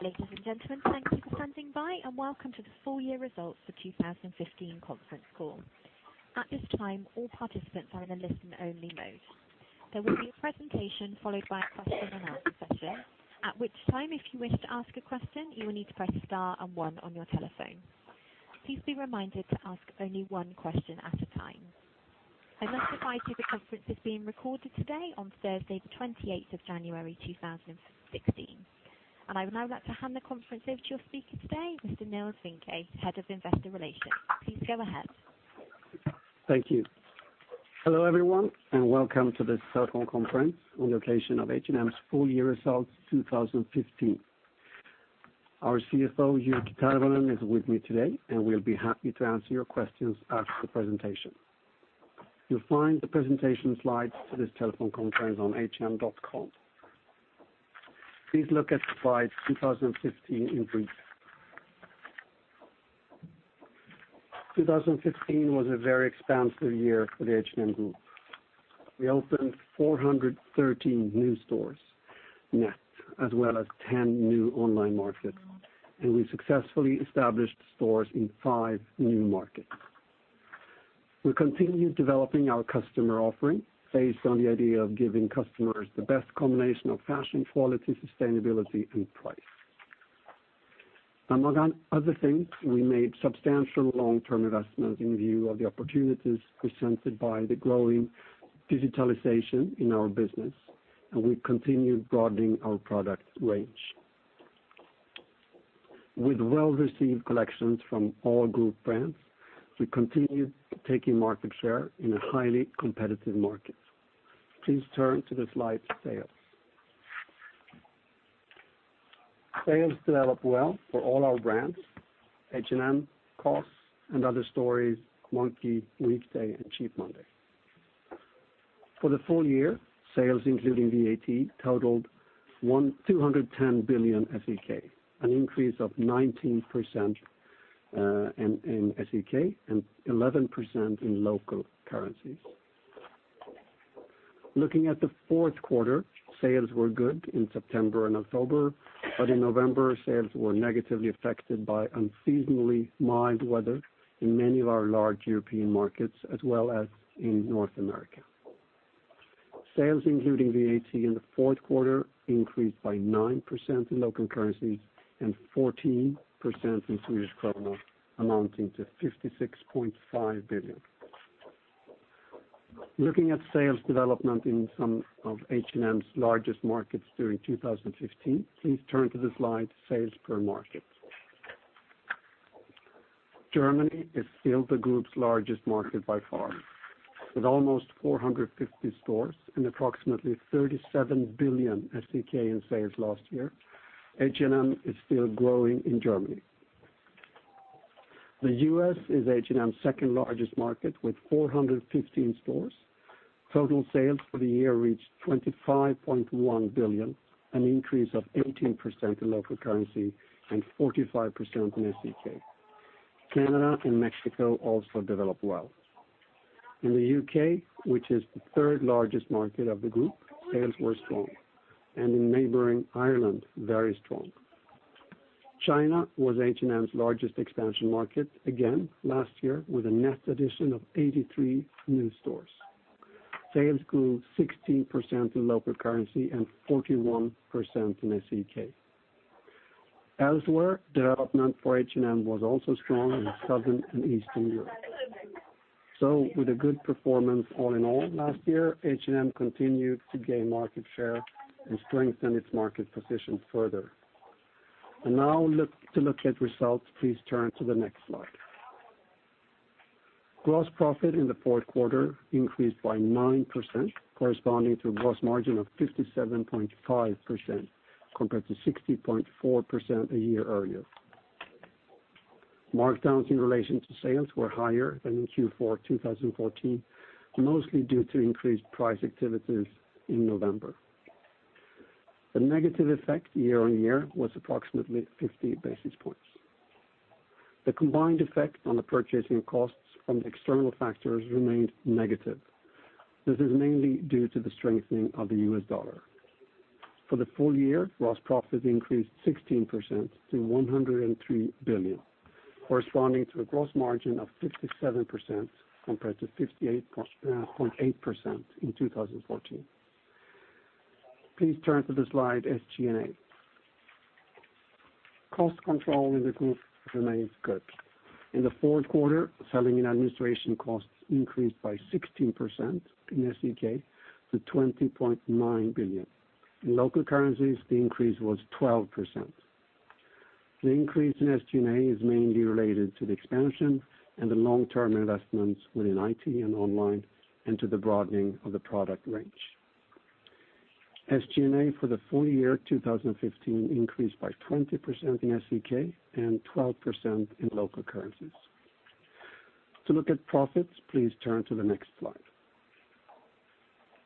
Ladies and gentlemen, thank you for standing by, and welcome to the full year results for 2015 conference call. At this time, all participants are in a listen-only mode. There will be a presentation followed by a question and answer session, at which time, if you wish to ask a question, you will need to press star and one on your telephone. Please be reminded to ask only one question at a time. I would like to advise you the conference is being recorded today on Thursday, January 28, 2016. I would now like to hand the conference over to your speaker today, Mr. Nils Vinge, Head of Investor Relations. Please go ahead. Thank you. Hello, everyone, and welcome to this telephone conference on location of H&M's full year results 2015. Our CFO, Jyrki Tervonen, is with me today, and we will be happy to answer your questions after the presentation. You will find the presentation slides to this telephone conference on hm.com. Please look at the slide 2015 in brief. 2015 was a very expansive year for the H&M Group. We opened 413 new stores net, as well as 10 new online markets, and we successfully established stores in five new markets. We continued developing our customer offering based on the idea of giving customers the best combination of fashion, quality, sustainability and price. Among other things, we made substantial long-term investments in view of the opportunities presented by the growing digitalization in our business, and we continued broadening our product range. With well-received collections from all Group brands, we continued taking market share in a highly competitive market. Please turn to the slide, sales. Sales developed well for all our brands, H&M, COS, & Other Stories, Monki, Weekday, and Cheap Monday. For the full year, sales including VAT totaled 210 billion SEK, an increase of 19% in SEK and 11% in local currencies. Looking at the fourth quarter, sales were good in September and October, but in November, sales were negatively affected by unseasonably mild weather in many of our large European markets as well as in North America. Sales including VAT in the fourth quarter increased by 9% in local currencies and 14% in Swedish krona, amounting to 56.5 billion. Looking at sales development in some of H&M's largest markets during 2015, please turn to the slide, sales per market. Germany is still the Group's largest market by far. With almost 450 stores and approximately 37 billion in sales last year, H&M is still growing in Germany. The U.S. is H&M's second largest market with 415 stores. Total sales for the year reached 25.1 billion, an increase of 18% in local currency and 45% in SEK. Canada and Mexico also developed well. In the U.K., which is the third largest market of the Group, sales were strong, and in neighboring Ireland, very strong. China was H&M's largest expansion market again last year with a net addition of 83 new stores. Sales grew 16% in local currency and 41% in SEK. Elsewhere, development for H&M was also strong in Southern and Eastern Europe. With a good performance all in all last year, H&M continued to gain market share and strengthen its market position further. Now to look at results, please turn to the next slide. Gross profit in the fourth quarter increased by 9%, corresponding to a gross margin of 57.5% compared to 60.4% a year earlier. Markdowns in relation to sales were higher than in Q4 2014, mostly due to increased price activities in November. The negative effect year-on-year was approximately 50 basis points. The combined effect on the purchasing costs from the external factors remained negative. This is mainly due to the strengthening of the US dollar. For the full year, gross profit increased 16% to 103 billion, corresponding to a gross margin of 57% compared to 58.8% in 2014. Please turn to the slide, SG&A. Cost control in the group remains good. In the fourth quarter, selling and administration costs increased by 16% in SEK to 20.9 billion SEK. In local currencies, the increase was 12%. The increase in SG&A is mainly related to the expansion and the long-term investments within IT and online and to the broadening of the product range. SG&A for the full year 2015 increased by 20% in SEK and 12% in local currencies. To look at profits, please turn to the next slide.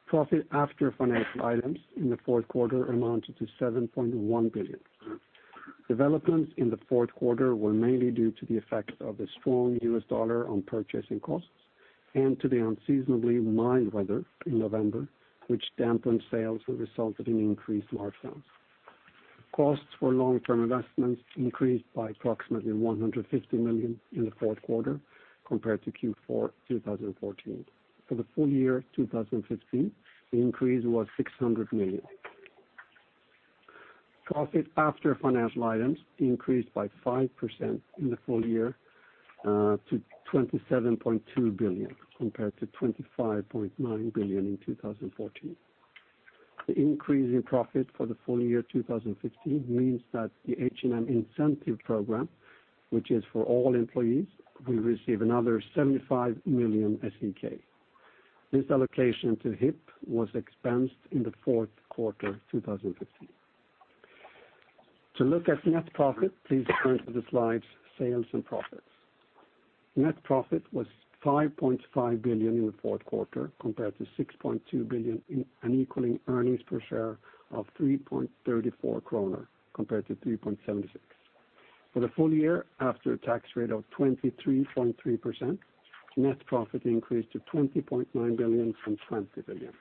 Profit after financial items in the fourth quarter amounted to 7.1 billion. Developments in the fourth quarter were mainly due to the effect of the strong US dollar on purchasing costs and to the unseasonably mild weather in November, which dampened sales and resulted in increased markdowns. Costs for long-term investments increased by approximately 150 million in the fourth quarter compared to Q4 2014. For the full year 2015, the increase was 600 million. Profit after financial items increased by 5% in the full year to 27.2 billion, compared to 25.9 billion in 2014. The increase in profit for the full year 2015 means that the H&M incentive program, which is for all employees, will receive another 75 million SEK. This allocation to HIP was expensed in the fourth quarter 2015. To look at net profit, please turn to the slides, sales and profits. Net profit was 5.5 billion in the fourth quarter, compared to 6.2 billion and equaling earnings per share of 3.34 kronor compared to 3.76. For the full year, after a tax rate of 23.3%, net profit increased to 20.9 billion from 20 billion.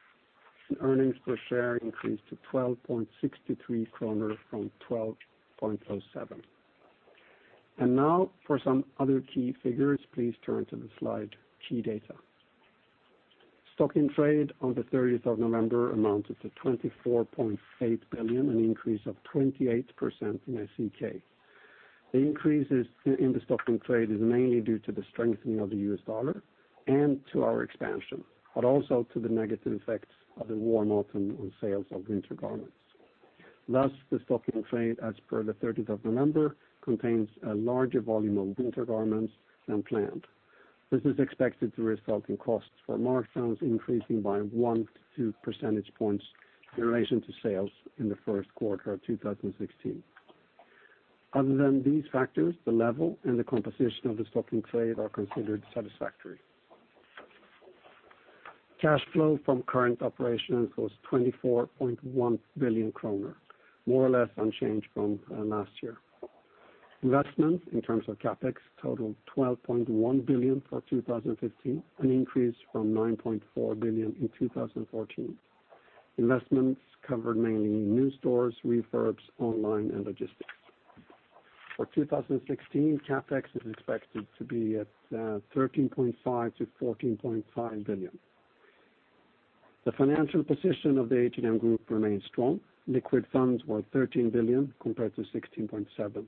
Earnings per share increased to 12.63 kronor from 12.07. Now for some other key figures, please turn to the slide, key data. Stock in trade on the 30th of November amounted to 24.8 billion, an increase of 28% in SEK. The increases in the stock in trade is mainly due to the strengthening of the US dollar and to our expansion, but also to the negative effects of the warm autumn on sales of winter garments. Thus, the stock in trade as per the 30th of November, contains a larger volume of winter garments than planned. This is expected to result in costs for markdowns increasing by one to two percentage points in relation to sales in the first quarter of 2016. Other than these factors, the level and the composition of the stock in trade are considered satisfactory. Cash flow from current operations was 24.1 billion kronor, more or less unchanged from last year. Investments in terms of CapEx totaled 12.1 billion for 2015, an increase from 9.4 billion in 2014. Investments covered mainly new stores, refurbs, online, and logistics. For 2016, CapEx is expected to be at 13.5 billion-14.5 billion. The financial position of the H&M group remains strong. Liquid funds were 13 billion compared to 16.7 billion.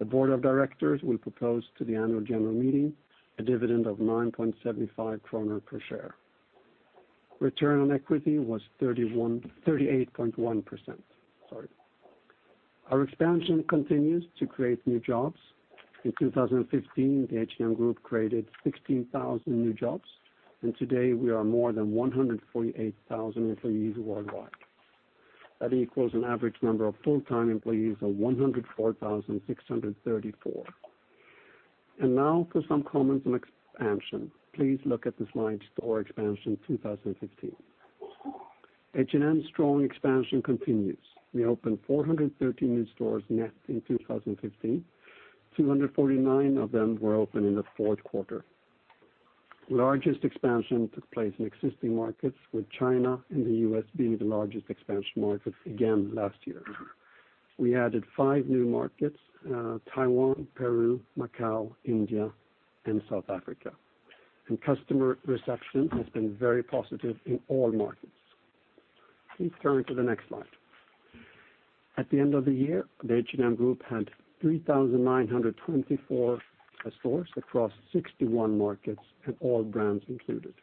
The board of directors will propose to the annual general meeting a dividend of 9.75 kronor per share. Return on equity was 38.1%. Our expansion continues to create new jobs. In 2015, the H&M group created 16,000 new jobs. Today we are more than 148,000 employees worldwide. That equals an average number of full-time employees of 104,634. Now for some comments on expansion. Please look at the slide, store expansion 2015. H&M's strong expansion continues. We opened 413 new stores net in 2015. 249 of them were opened in the fourth quarter. Largest expansion took place in existing markets, with China and the U.S. being the largest expansion markets again last year. We added five new markets, Taiwan, Peru, Macau, India, and South Africa. Customer reception has been very positive in all markets. Please turn to the next slide. At the end of the year, the H&M group had 3,924 stores across 61 markets and all brands included.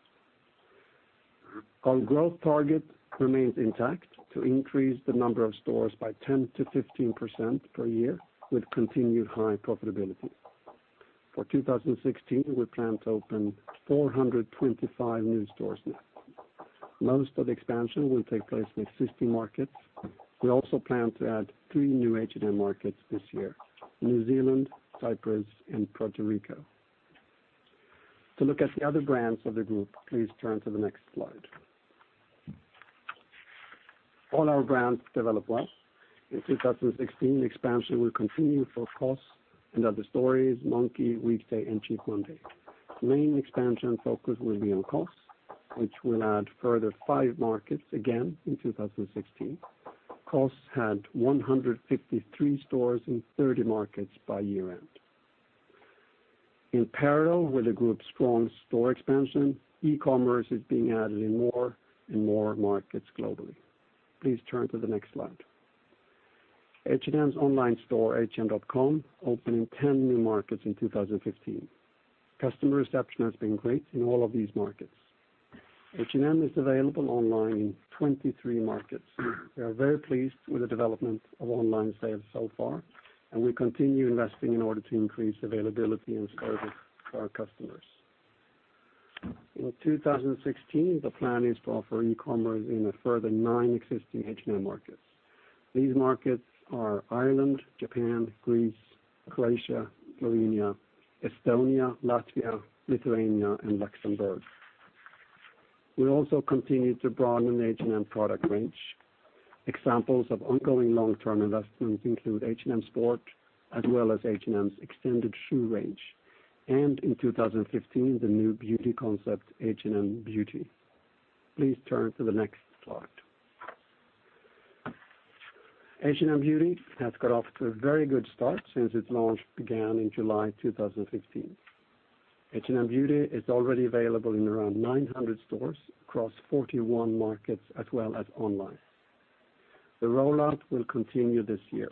Our growth target remains intact to increase the number of stores by 10%-15% per year with continued high profitability. For 2016, we plan to open 425 new stores net. Most of the expansion will take place in existing markets. We also plan to add three new H&M markets this year, New Zealand, Cyprus, and Puerto Rico. To look at the other brands of the group, please turn to the next slide. All our brands develop well. In 2016, expansion will continue for COS, & Other Stories, Monki, Weekday, and Cheap Monday. Main expansion focus will be on COS, which will add further five markets again in 2016. COS had 153 stores in 30 markets by year-end. In parallel with the group's strong store expansion, e-commerce is being added in more and more markets globally. Please turn to the next slide. H&M's online store, hm.com, opened in 10 new markets in 2015. Customer reception has been great in all of these markets. H&M is available online in 23 markets. We are very pleased with the development of online sales so far. We continue investing in order to increase availability and service to our customers. In 2016, the plan is to offer e-commerce in a further nine existing H&M markets. These markets are Ireland, Japan, Greece, Croatia, Slovenia, Estonia, Latvia, Lithuania, and Luxembourg. We also continue to broaden H&M product range. Examples of ongoing long-term investments include H&M Sport, as well as H&M's extended shoe range, and in 2015, the new beauty concept, H&M Beauty. Please turn to the next slide. H&M Beauty has got off to a very good start since its launch began in July 2015. H&M Beauty is already available in around 900 stores across 41 markets, as well as online. The rollout will continue this year.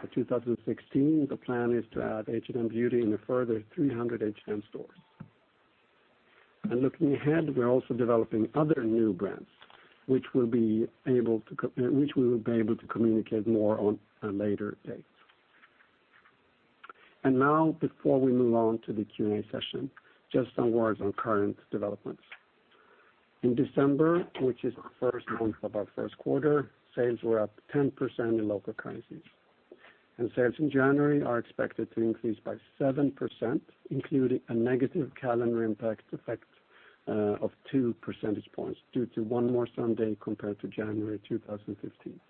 For 2016, the plan is to add H&M Beauty in a further 300 H&M stores. Looking ahead, we're also developing other new brands, which we will be able to communicate more on a later date. Now, before we move on to the Q&A session, just some words on current developments. In December, which is the first month of our first quarter, sales were up 10% in local currencies. Sales in January are expected to increase by 7%, including a negative calendar impact effect of two percentage points due to one more Sunday compared to January 2015.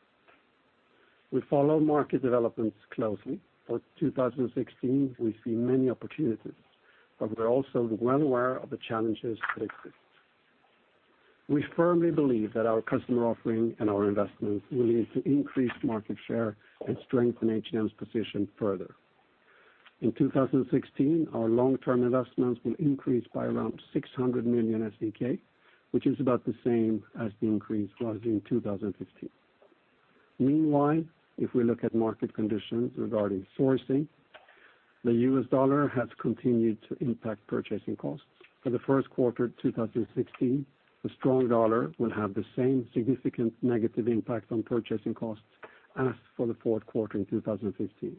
We follow market developments closely. For 2016, we see many opportunities, we're also well aware of the challenges that exist. We firmly believe that our customer offering and our investments will lead to increased market share and strengthen H&M's position further. In 2016, our long-term investments will increase by around 600 million, which is about the same as the increase was in 2015. Meanwhile, if we look at market conditions regarding sourcing, the US dollar has continued to impact purchasing costs. For the first quarter 2016, the strong dollar will have the same significant negative impact on purchasing costs as for the fourth quarter in 2015.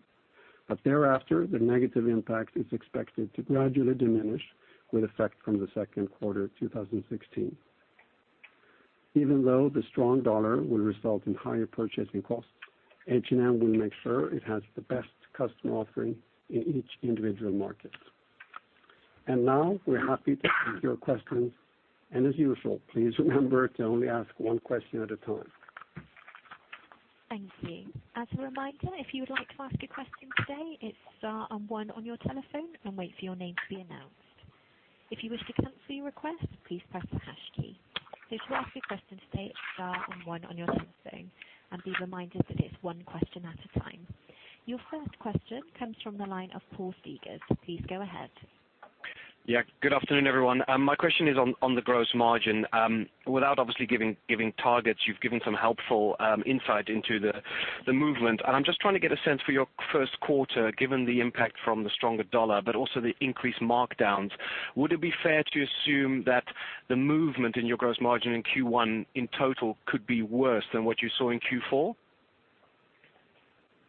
Thereafter, the negative impact is expected to gradually diminish with effect from the second quarter 2016. Even though the strong dollar will result in higher purchasing costs, H&M will make sure it has the best customer offering in each individual market. Now we're happy to take your questions, as usual, please remember to only ask one question at a time. Thank you. As a reminder, if you would like to ask a question today, it's star and one on your telephone and wait for your name to be announced. If you wish to cancel your request, please press the hash key. To ask your question today, it's star and one on your telephone, be reminded that it's one question at a time. Your first question comes from the line of Paul Segers. Please go ahead. Yeah. Good afternoon, everyone. My question is on the gross margin. Without obviously giving targets, you've given some helpful insight into the movement. I'm just trying to get a sense for your first quarter, given the impact from the stronger dollar, also the increased markdowns. Would it be fair to assume that the movement in your gross margin in Q1 in total could be worse than what you saw in Q4?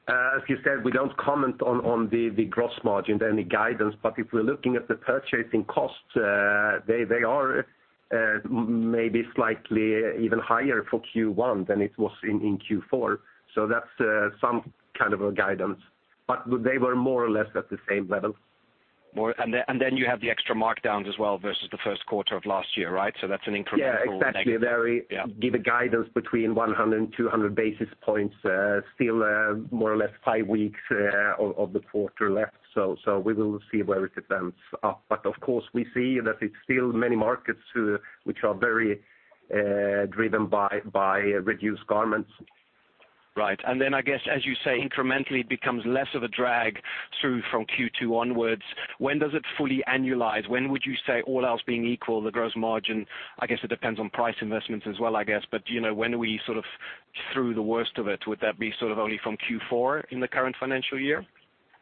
As you said, we don't comment on the gross margin, any guidance. If we're looking at the purchasing costs, they are maybe slightly even higher for Q1 than it was in Q4. That's some kind of a guidance. They were more or less at the same level. You have the extra markdowns as well versus the first quarter of last year, right? That's an incremental- Yeah, exactly. Yeah. Give a guidance between 100 and 200 basis points. Still more or less five weeks of the quarter left, we will see where it ends up. Of course, we see that it's still many markets which are very driven by reduced garments. Right. Then, I guess, as you say, incrementally it becomes less of a drag through from Q2 onwards. When does it fully annualize? When would you say, all else being equal, the gross margin, I guess it depends on price investments as well, I guess, but when are we through the worst of it? Would that be only from Q4 in the current financial year?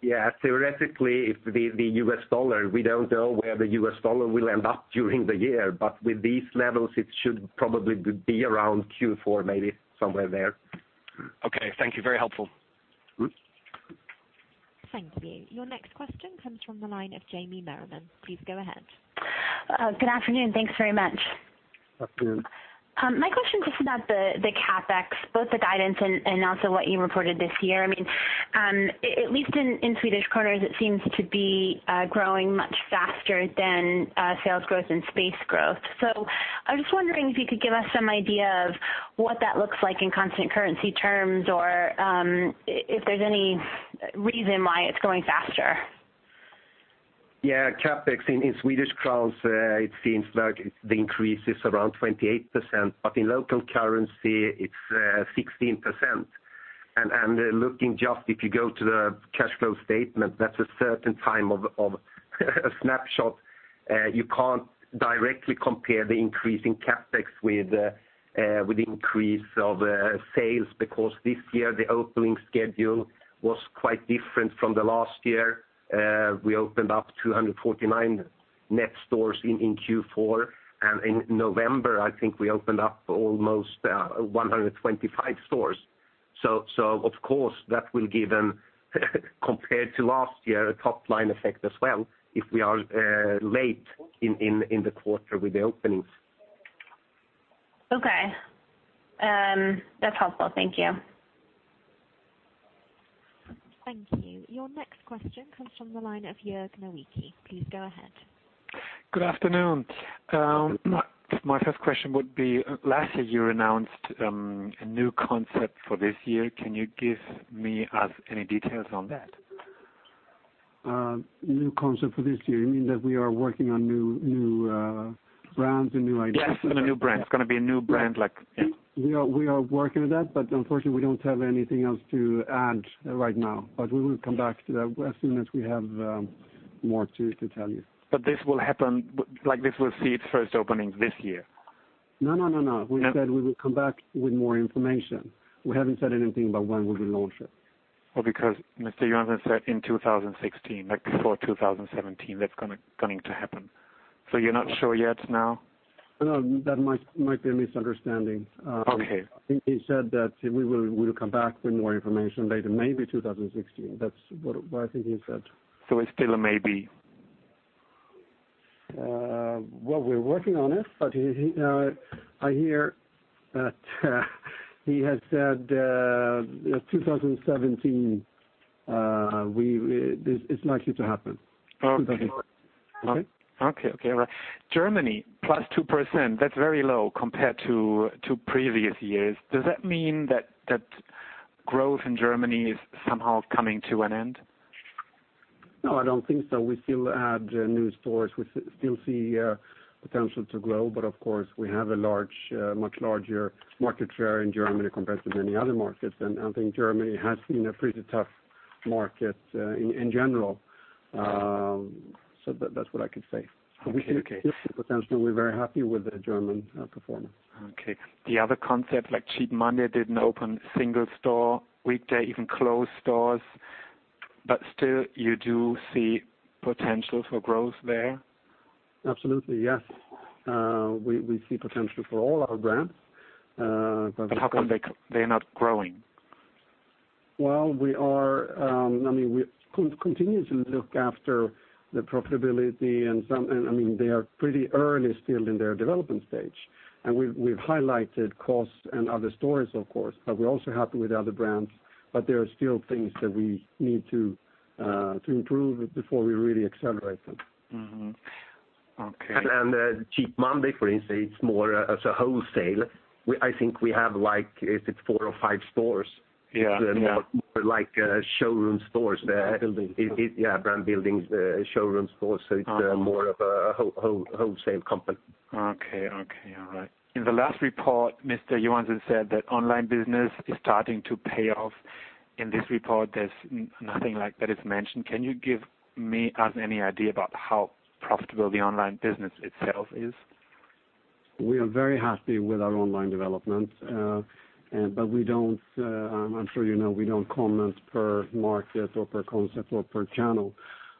Yeah. Theoretically, the US dollar, we don't know where the US dollar will end up during the year, with these levels, it should probably be around Q4, maybe somewhere there. Okay. Thank you. Very helpful. Thank you. Your next question comes from the line of Jamie Merriman. Please go ahead. Good afternoon. Thanks very much. Afternoon. My question's just about the CapEx, both the guidance and also what you reported this year. At least in SEK, it seems to be growing much faster than sales growth and space growth. I was just wondering if you could give us some idea of what that looks like in constant currency terms, or if there's any reason why it's growing faster. Yeah. CapEx in SEK, it seems like the increase is around 28%, but in local currency, it's 16%. Looking just, if you go to the cash flow statement, that's a certain time of a snapshot. You can't directly compare the increase in CapEx with the increase of sales because this year the opening schedule was quite different from the last year. We opened up 249 net stores in Q4, and in November, I think we opened up almost 125 stores. Of course, that will give an, compared to last year, a top-line effect as well if we are late in the quarter with the openings. Okay. That's helpful. Thank you. Thank you. Your next question comes from the line of Jörg Nawrocki. Please go ahead. Good afternoon. My first question would be, last year you announced a new concept for this year. Can you give me, us, any details on that? New concept for this year. You mean that we are working on new brands and new ideas? Yes. On a new brand. It's going to be a new brand like Yeah. Unfortunately, we don't have anything else to add right now. We will come back to that as soon as we have more to tell you. This will see its first opening this year? No. We said we will come back with more information. We haven't said anything about when we will launch it. Well, because Mr. Johansson said in 2016, like before 2017, that's going to happen. You're not sure yet now? That might be a misunderstanding. Okay. I think he said that we will come back with more information later, maybe 2016. That's what I think he said. It's still a maybe? Well, we're working on it, but I hear that he has said, 2017, it's likely to happen. Okay. All right. Germany, plus 2%, that's very low compared to previous years. Does that mean that growth in Germany is somehow coming to an end? No, I don't think so. We still add new stores. We still see potential to grow, of course, we have a much larger market share in Germany compared to many other markets, I think Germany has been a pretty tough market in general. That's what I could say. Okay. We still see potential. We're very happy with the German performance. Okay. The other concept, like Cheap Monday, didn't open a single store. Weekday even closed stores. Still, you do see potential for growth there? Absolutely, yes. We see potential for all our brands. How come they're not growing? Well, we continuously look after the profitability and they are pretty early still in their development stage. We've highlighted COS and & Other Stories, of course, but we're also happy with the other brands. There are still things that we need to improve before we really accelerate them. Okay. Cheap Monday, for instance, it's more as a wholesale. I think we have, like, is it four or five stores? Yeah. They're more like showroom stores there. Brand buildings. Yeah, brand buildings. Showroom stores. It's more of a wholesale company. Okay. All right. In the last report, Mr. Persson said that online business is starting to pay off. In this report, there's nothing like that is mentioned. Can you give me, us, any idea about how profitable the online business itself is? We are very happy with our online development. We don't, I'm sure you know, we don't comment per market or per concept or per channel.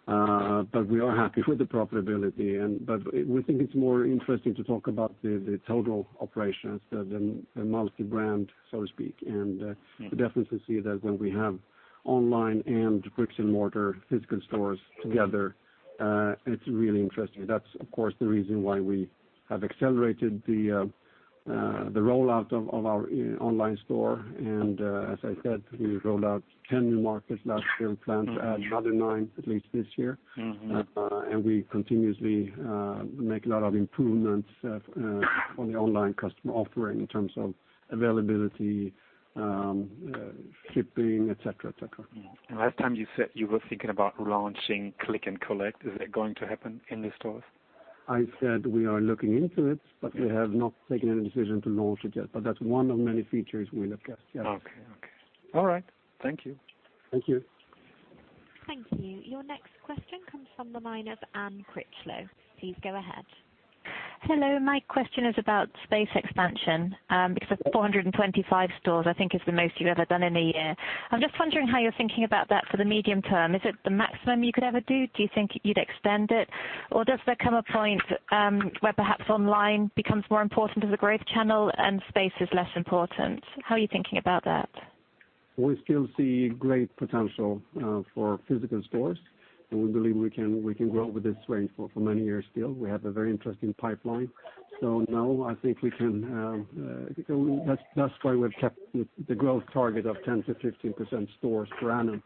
We are happy with the profitability. We think it's more interesting to talk about the total operations, the multi-brand, so to speak. We definitely see that when we have online and bricks-and-mortar physical stores together, it's really interesting. That's, of course, the reason why we have accelerated the rollout of our online store. As I said, we rolled out 10 new markets last year. We plan to add another nine at least this year. We continuously make a lot of improvements on the online customer offering in terms of availability, shipping, et cetera. Last time you said you were thinking about launching click and collect. Is that going to happen in the stores? I said we are looking into it, but we have not taken any decision to launch it yet. That's one of many features we look at. Yes. Okay. All right. Thank you. Thank you. Thank you. Your next question comes from the line of Anne Critchlow. Please go ahead. Hello, my question is about space expansion, because the 425 stores, I think is the most you've ever done in a year. I'm just wondering how you're thinking about that for the medium term. Is it the maximum you could ever do? Do you think you'd extend it? Does there come a point where perhaps online becomes more important as a growth channel and space is less important? How are you thinking about that? We still see great potential for physical stores, we believe we can grow with this range for many years still. We have a very interesting pipeline. No, I think that's why we've kept the growth target of 10%-15% stores per annum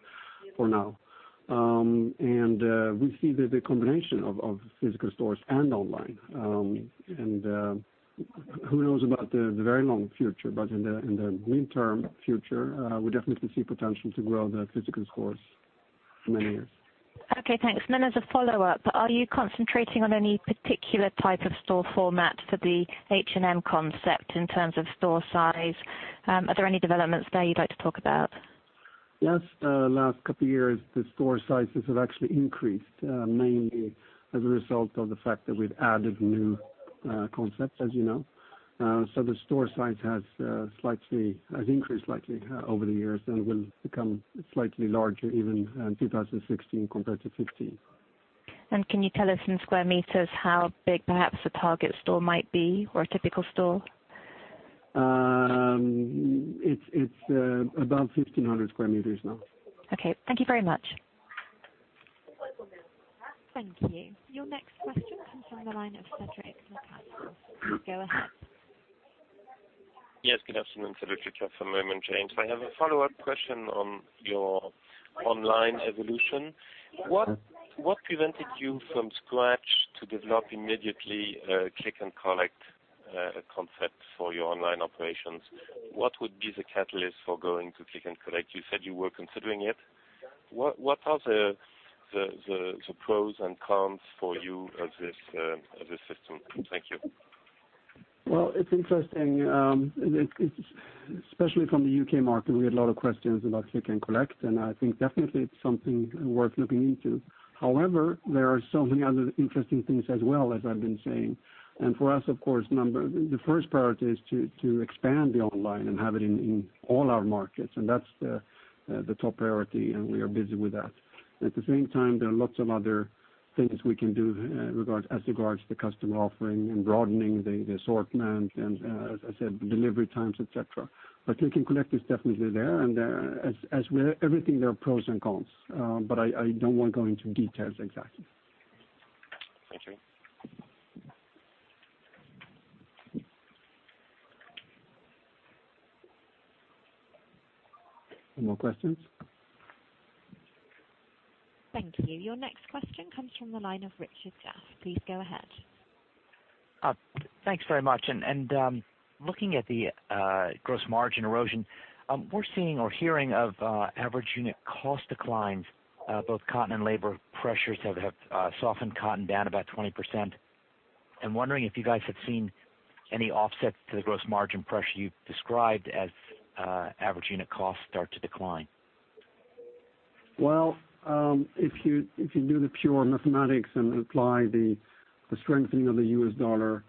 for now. We see the combination of physical stores and online. Who knows about the very long future, but in the midterm future, we definitely see potential to grow the physical stores for many years. Okay, thanks. As a follow-up, are you concentrating on any particular type of store format for the H&M concept in terms of store size? Are there any developments there you'd like to talk about? Yes. Last couple of years, the store sizes have actually increased, mainly as a result of the fact that we've added new concepts, as you know. The store size has increased slightly over the years and will become slightly larger even in 2016 compared to 2015. Can you tell us in sq m how big perhaps a target store might be or a typical store? It's above 1,500 square meters now. Okay. Thank you very much. Thank you. Your next question comes from the line of Cédric Le Cals. Go ahead. Yes, good afternoon. Cédric Le Cals from Morgan Stanley. I have a follow-up question on your online evolution. What prevented you from scratch to develop immediately a click-and-collect concept for your online operations? What would be the catalyst for going to click-and-collect? You said you were considering it. What are the pros and cons for you of this system? Thank you. Well, it's interesting. Especially from the U.K. market, we had a lot of questions about click and collect, and I think definitely it's something worth looking into. However, there are so many other interesting things as well, as I've been saying. For us, of course, the first priority is to expand the online and have it in all our markets, and that's the top priority, and we are busy with that. At the same time, there are lots of other things we can do as regards to customer offering and broadening the assortment and, as I said, delivery times, et cetera. Click and collect is definitely there, and as with everything, there are pros and cons. I don't want to go into details exactly. Thank you. More questions? Thank you. Your next question comes from the line of Richard Jaffe. Please go ahead. Thanks very much. Looking at the gross margin erosion, we're seeing or hearing of average unit cost declines, both cotton and labor pressures have softened cotton down about 20%. I'm wondering if you guys have seen any offset to the gross margin pressure you've described as average unit costs start to decline. Well, if you do the pure mathematics and apply the strengthening of the US dollar,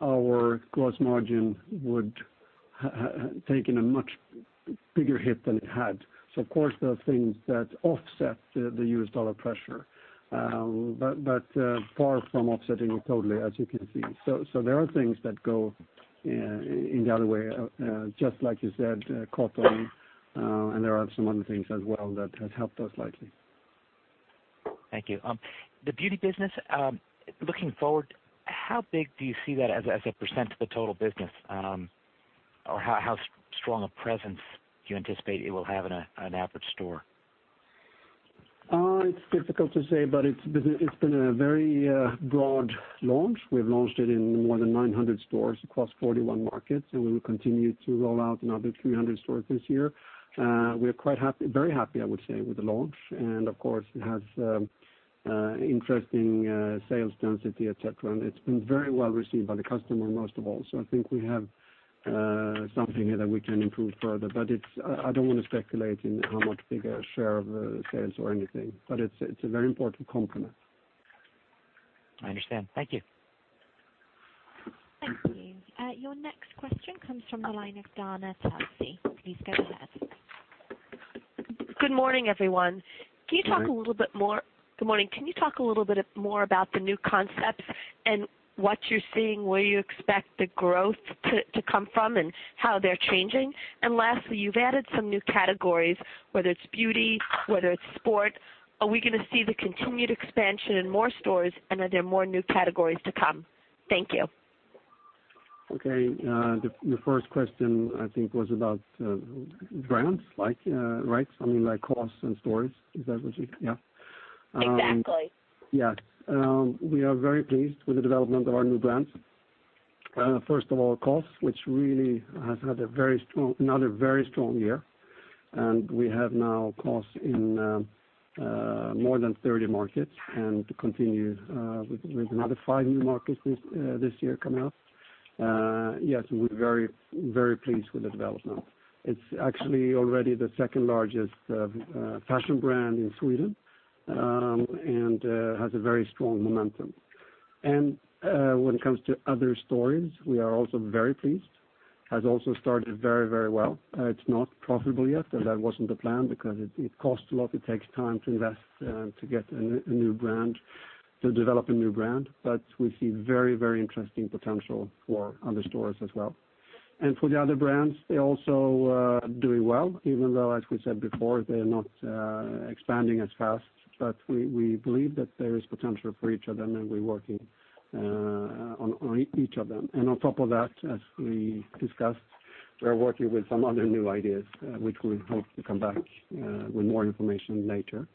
our gross margin would have taken a much bigger hit than it had. Of course, there are things that offset the US dollar pressure. Far from offsetting it totally, as you can see. There are things that go in the other way, just like you said, cotton, and there are some other things as well that have helped us slightly. Thank you. The beauty business, looking forward, how big do you see that as a % of the total business? Or how strong a presence do you anticipate it will have in an average store? It's difficult to say, but it's been a very broad launch. We've launched it in more than 900 stores across 41 markets, and we will continue to roll out another 300 stores this year. We are very happy, I would say, with the launch. Of course, it has interesting sales density, et cetera, and it's been very well received by the customer, most of all. I think we have something that we can improve further. I don't want to speculate in how much bigger share of sales or anything, but it's a very important complement. I understand. Thank you. Thank you. Your next question comes from the line of Dana Telsey. Please go ahead. Good morning, everyone. Good morning. Good morning. Can you talk a little bit more about the new concepts and what you're seeing, where you expect the growth to come from, and how they're changing? Lastly, you've added some new categories, whether it's beauty, whether it's sport. Are we going to see the continued expansion in more stores, and are there more new categories to come? Thank you. Okay. The first question, I think, was about brands, right? Something like COS and stories. Is that what you-- Yeah. Exactly. Yeah. We are very pleased with the development of our new brands. First of all, COS, which really has had another very strong year. We have now COS in more than 30 markets and continue with another 5 new markets this year coming up. Yes, we're very pleased with the development. It's actually already the second-largest fashion brand in Sweden and has a very strong momentum. When it comes to & Other Stories, we are also very pleased. Has also started very well. It's not profitable yet, and that wasn't the plan because it costs a lot, it takes time to invest to develop a new brand. We see very interesting potential for & Other Stories as well. For the other brands, they're also doing well, even though, as we said before, they're not expanding as fast. We believe that there is potential for each of them, and we're working on each of them. On top of that, as we discussed, we are working with some other new ideas, which we hope to come back with more information later.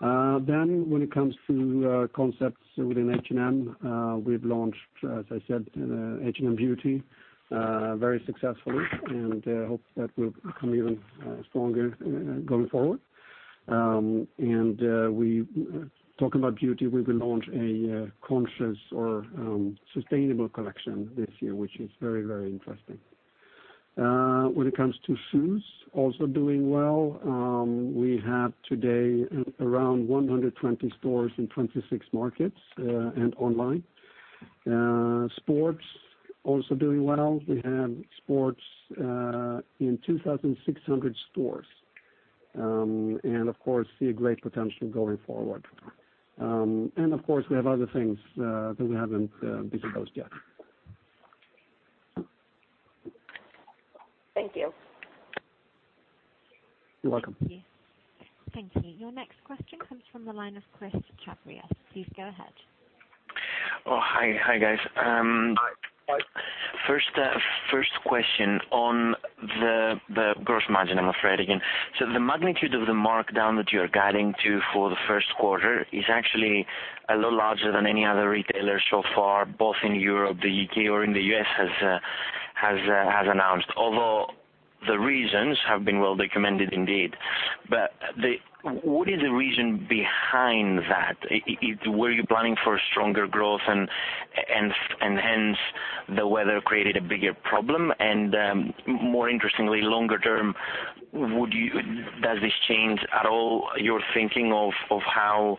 When it comes to concepts within H&M, we've launched, as I said, H&M Beauty very successfully, and hope that will become even stronger going forward. Talking about beauty, we will launch a conscious or sustainable collection this year, which is very interesting. When it comes to shoes, also doing well. We have today around 120 stores in 26 markets and online. Sports, also doing well. We have sports in 2,600 stores. Of course, see a great potential going forward. Of course, we have other things that we haven't disclosed yet. Thank you. You're welcome. Thank you. Your next question comes from the line of Chris Chaviaras. Please go ahead. Oh, hi guys. Hi. The magnitude of the markdown that you are guiding to for the first quarter is actually a little larger than any other retailer so far, both in Europe, the U.K., or in the U.S. has announced. The reasons have been well documented indeed. What is the reason behind that? Were you planning for stronger growth and hence the weather created a bigger problem? More interestingly, longer term, does this change at all your thinking of how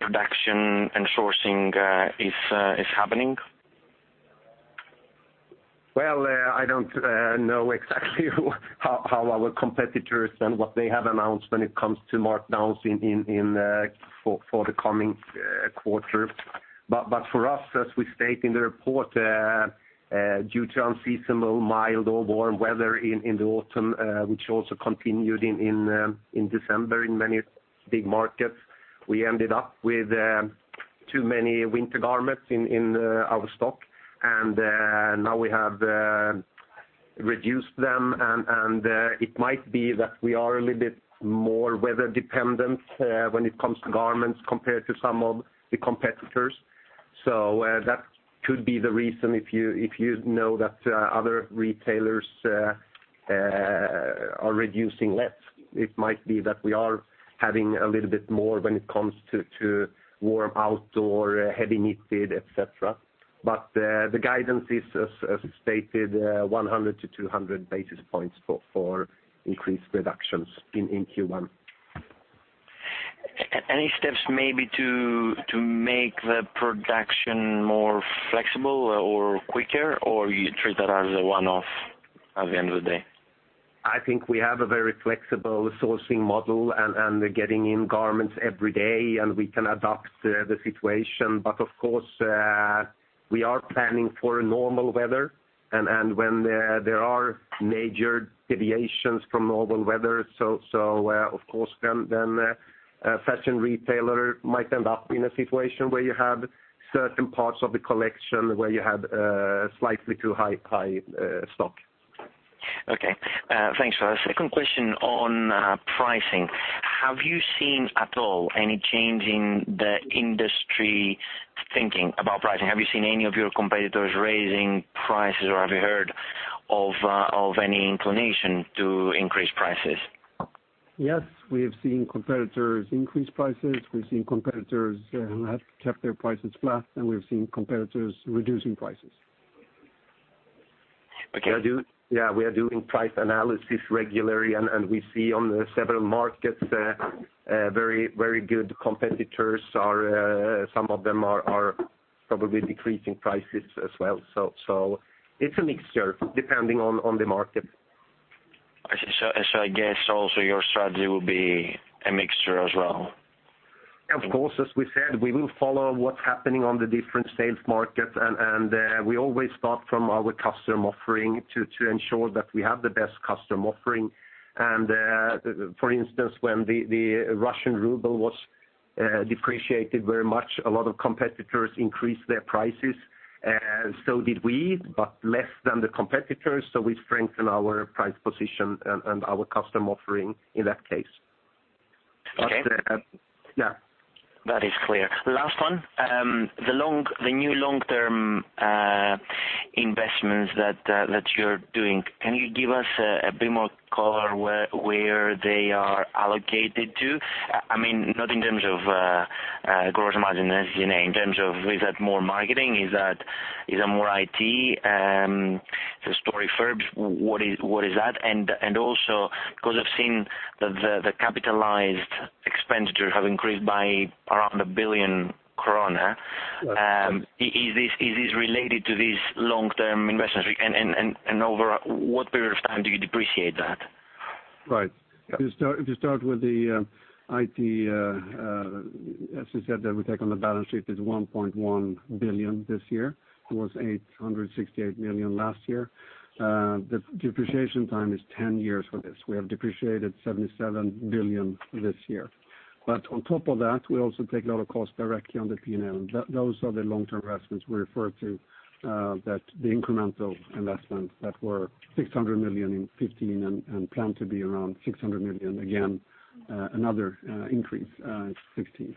production and sourcing is happening? I don't know exactly how our competitors and what they have announced when it comes to markdowns for the coming quarter. For us, as we state in the report, due to unseasonable mild or warm weather in the autumn, which also continued in December in many big markets, we ended up with too many winter garments in our stock. Now we have reduced them, and it might be that we are a little bit more weather-dependent when it comes to garments compared to some of the competitors. That could be the reason if you know that other retailers are reducing less. It might be that we are having a little bit more when it comes to warm outdoor, heavy knitted, et cetera. The guidance is as stated, 100 to 200 basis points for increased reductions in Q1. Any steps maybe to make the production more flexible or quicker, or you treat that as a one-off at the end of the day? I think we have a very flexible sourcing model, and we're getting in garments every day, and we can adapt the situation. Of course, we are planning for normal weather. When there are major deviations from normal weather, of course then, a fashion retailer might end up in a situation where you have certain parts of the collection where you had slightly too high stock. Okay. Thanks for that. Second question on pricing. Have you seen at all any change in the industry thinking about pricing? Have you seen any of your competitors raising prices, or have you heard of any inclination to increase prices? Yes, we have seen competitors increase prices, we've seen competitors have kept their prices flat, and we've seen competitors reducing prices. Okay. Yeah, we are doing price analysis regularly, and we see on several markets, very good competitors, some of them are probably decreasing prices as well. It's a mixture depending on the market. I see. I guess also your strategy will be a mixture as well. Of course, as we said, we will follow what's happening on the different sales markets, and we always start from our customer offering to ensure that we have the best customer offering. For instance, when the Russian ruble was depreciated very much, a lot of competitors increased their prices, and so did we, but less than the competitors. We strengthened our price position and our customer offering in that case. Okay. Yeah. That is clear. Last one. The new long-term investments that you're doing, can you give us a bit more color where they are allocated to? Not in terms of gross margin, as you know, in terms of, is that more marketing? Is that more IT? The store refurb, what is that? Also, because I've seen the capitalized expenditures have increased by around 1 billion krona. Right. Is this related to these long-term investments? Over what period of time do you depreciate that? Right. To start with the IT, as you said, that we take on the balance sheet is 1.1 billion this year. It was 868 million last year. The depreciation time is 10 years for this. We have depreciated 77 million this year. On top of that, we also take a lot of cost directly on the P&L. Those are the long-term investments we refer to, that the incremental investments that were 600 million in 2015 and plan to be around 600 million again, another increase, 2016.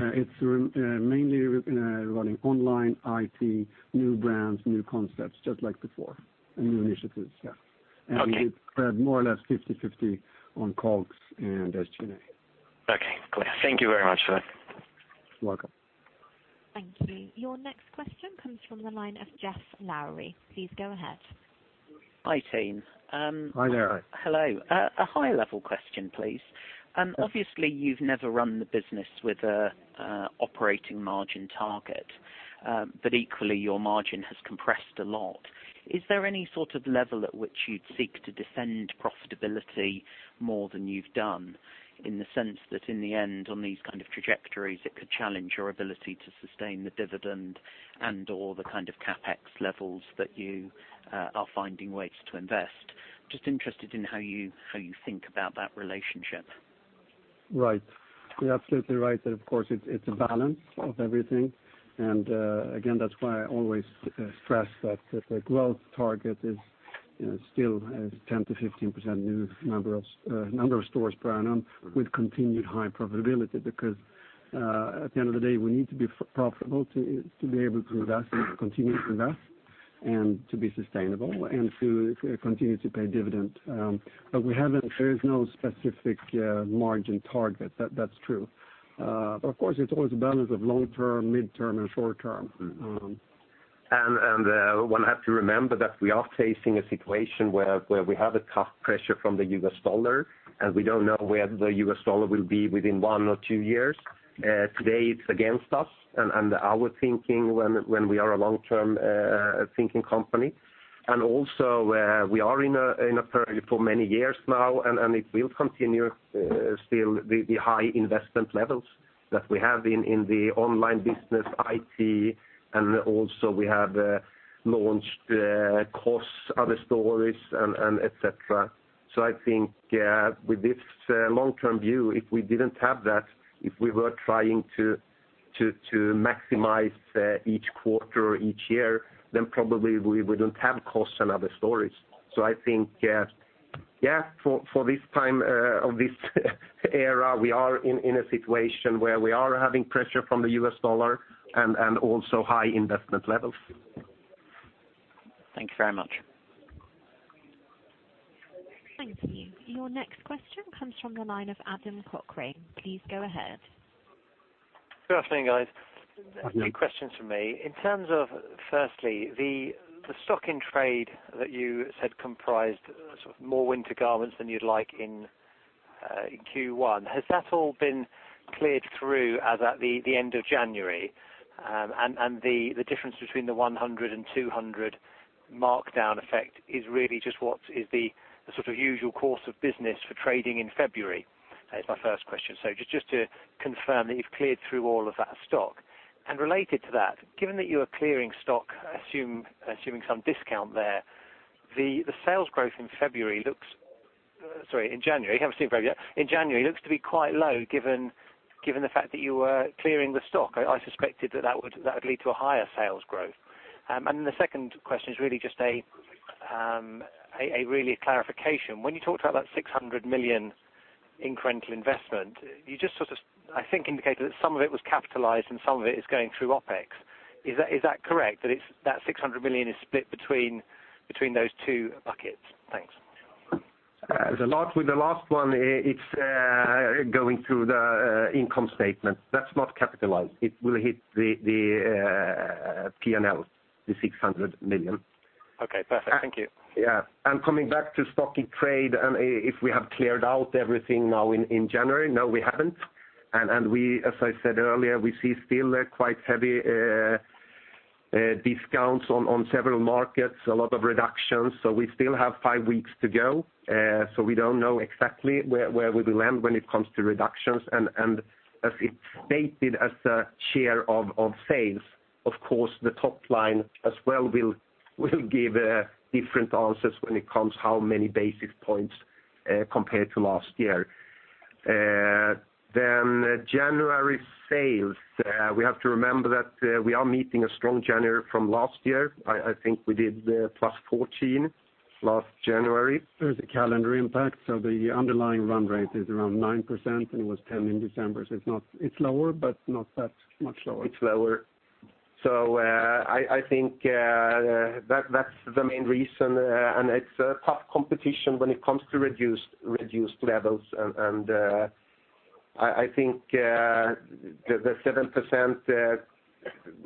It's mainly running online, IT, new brands, new concepts, just like before, and new initiatives. Yeah. Okay. We spread more or less 50/50 on COGS and SG&A. Okay. Clear. Thank you very much for that. You're welcome. Thank you. Your next question comes from the line of Geoff Lowery. Please go ahead. Hi, team. Hi, Lowery. Hello. A high-level question, please. Sure. Obviously, you've never run the business with an operating margin target. Equally, your margin has compressed a lot. Is there any sort of level at which you'd seek to defend profitability more than you've done, in the sense that in the end, on these kind of trajectories, it could challenge your ability to sustain the dividend and/or the kind of CapEx levels that you are finding ways to invest? Just interested in how you think about that relationship. Right. You're absolutely right that, of course, it's a balance of everything. Again, that's why I always stress that the growth target is still 10%-15% new number of stores per annum with continued high profitability, because, at the end of the day, we need to be profitable to be able to invest and continue to invest, and to be sustainable, and to continue to pay dividends. There is no specific margin target. That's true. Of course, it's always a balance of long-term, mid-term, and short-term. One has to remember that we are facing a situation where we have a tough pressure from the US dollar, and we don't know where the US dollar will be within one or two years. Today, it's against us and our thinking when we are a long-term thinking company. Also, we are in a period for many years now, and it will continue still the high investment levels that we have in the online business, IT. Also, we have launched COS & Other Stories and et cetera. I think, with this long-term view, if we didn't have that, if we were trying to maximize each quarter or each year, then probably we wouldn't have COS and & Other Stories. I think, for this time of this era, we are in a situation where we are having pressure from the US dollar and also high investment levels. Thank you very much. Thank you. Your next question comes from the line of Adam Cochrane. Please go ahead. Good afternoon, guys. Good afternoon. Two questions from me. In terms of, firstly, the stock in trade that you said comprised more winter garments than you'd like in Q1, has that all been cleared through as at the end of January? The difference between the 100 and 200 markdown effect is really just what is the usual course of business for trading in February, is my first question. Just to confirm that you've cleared through all of that stock. Related to that, given that you are clearing stock, assuming some discount there, the sales growth in February, sorry, in January, haven't seen February yet. In January, looks to be quite low given the fact that you were clearing the stock. I suspected that that would lead to a higher sales growth. The second question is really just a clarification. When you talked about 600 million incremental investment, you just, I think, indicated that some of it was capitalized and some of it is going through OpEx. Is that correct, that 600 million is split between those two buckets? Thanks. With the last one, it's going through the income statement. That's not capitalized. It will hit the P&L, the 600 million. Okay, perfect. Thank you. Yeah. Coming back to stock in trade if we have cleared out everything now in January, no, we haven't. As I said earlier, we see still quite heavy discounts on several markets, a lot of reductions. We still have five weeks to go. We don't know exactly where we will end when it comes to reductions. As it's stated as a share of sales, of course, the top line as well will give different answers when it comes how many basis points, compared to last year. January sales, we have to remember that we are meeting a strong January from last year. I think we did the +14% last January. There is a calendar impact, the underlying run rate is around 9%, it was 10% in December. It's lower, but not that much lower. It's lower. I think that's the main reason, it's a tough competition when it comes to reduced levels. I think, the 7%,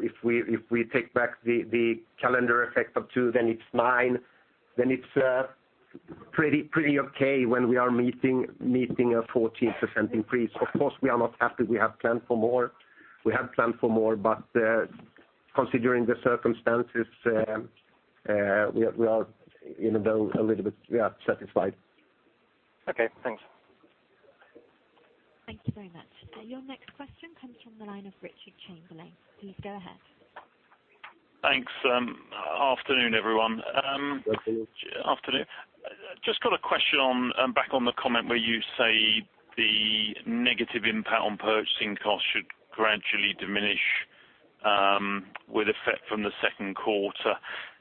if we take back the calendar effect of two, it's nine, it's pretty okay when we are meeting a 14% increase. Of course, we are not happy. We have planned for more. We have planned for more, considering the circumstances, even though a little bit, we are satisfied. Okay, thanks. Thank you very much. Your next question comes from the line of Richard Chamberlain. Please go ahead. Thanks. Afternoon, everyone. Good afternoon. Afternoon. Just got a question back on the comment where you say the negative impact on purchasing costs should gradually diminish with effect from the second quarter.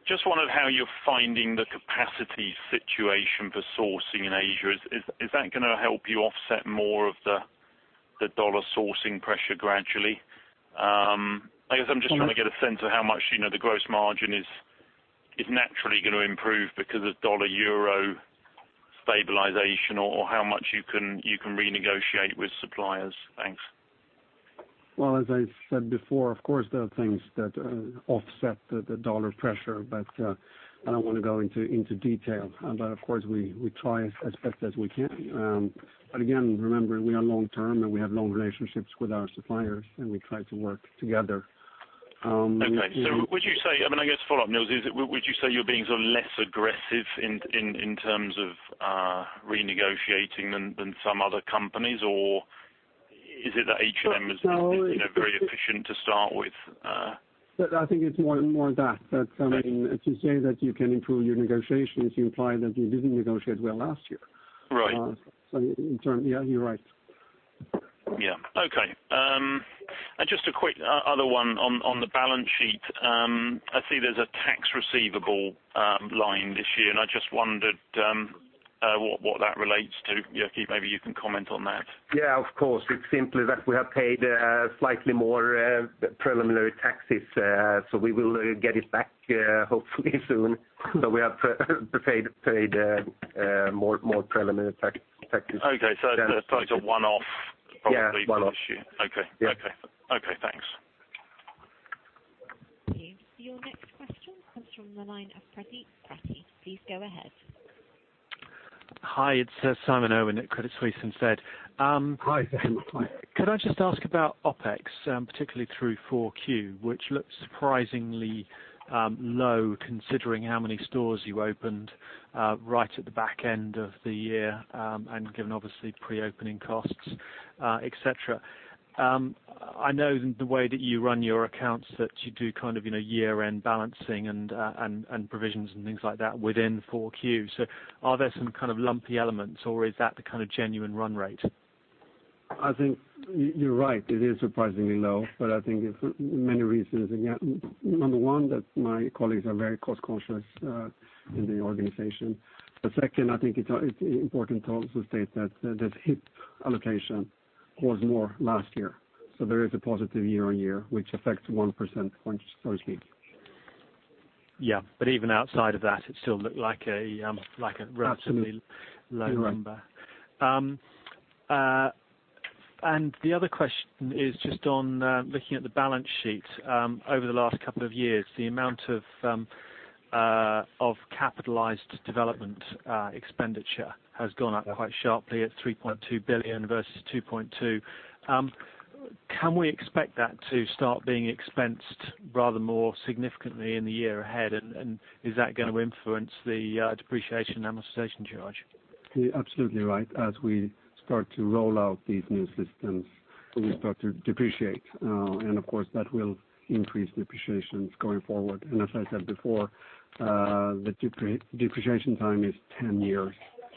Just wondered how you are finding the capacity situation for sourcing in Asia. Is that going to help you offset more of the dollar sourcing pressure gradually? I guess I am just trying to get a sense of how much the gross margin is naturally going to improve because of dollar-euro stabilization, or how much you can renegotiate with suppliers. Thanks. Well, as I said before, of course, there are things that offset the dollar pressure. I don't want to go into detail. Of course, we try as best as we can. Again, remember, we are long-term, and we have long relationships with our suppliers, and we try to work together. Okay. Would you say, I guess follow up, Nils, would you say you are being less aggressive in terms of renegotiating than some other companies, or is it that H&M is very efficient to start with? I think it's more that. To say that you can improve your negotiations, you imply that you didn't negotiate well last year. Right. Yeah, you're right. Yeah. Okay. Just a quick other one on the balance sheet. I see there's a tax receivable line this year, and I just wondered what that relates to. Jyrki, maybe you can comment on that. Yeah, of course. It's simply that we have paid slightly more preliminary taxes, so we will get it back, hopefully soon. We have paid more preliminary taxes. Okay. It's a one-off- Yeah, one-off probably for this year. Okay. Yeah. Okay. Thanks. Thank you. Your next question comes from the line of Fraser Ramzan. Please go ahead. Hi, it's Simon Irwin at Credit Suisse and Ned. Hi, Simon. How are you? Could I just ask about OpEx, particularly through 4Q, which looks surprisingly low, considering how many stores you opened right at the back end of the year, and given obviously pre-opening costs, et cetera. I know the way that you run your accounts, that you do year-end balancing and provisions and things like that within 4Q. Are there some kind of lumpy elements, or is that the kind of genuine run rate? I think you're right. It is surprisingly low, but I think there's many reasons. Number one, that my colleagues are very cost-conscious in the organization. Second, I think it's important to also state that HIP allocation was more last year. There is a positive year-on-year, which affects 1 percentage point, so to speak. Yeah. Even outside of that, it still looked like a relatively- Absolutely low number. You're right. The other question is just on looking at the balance sheet over the last couple of years. The amount of capitalized development expenditure has gone up quite sharply at 3.2 billion versus 2.2 billion. Can we expect that to start being expensed rather more significantly in the year ahead, and is that going to influence the depreciation amortization charge? You're absolutely right. As we start to roll out these new systems, we start to depreciate. Of course, that will increase depreciations going forward. As I said before, the depreciation time is 10 years,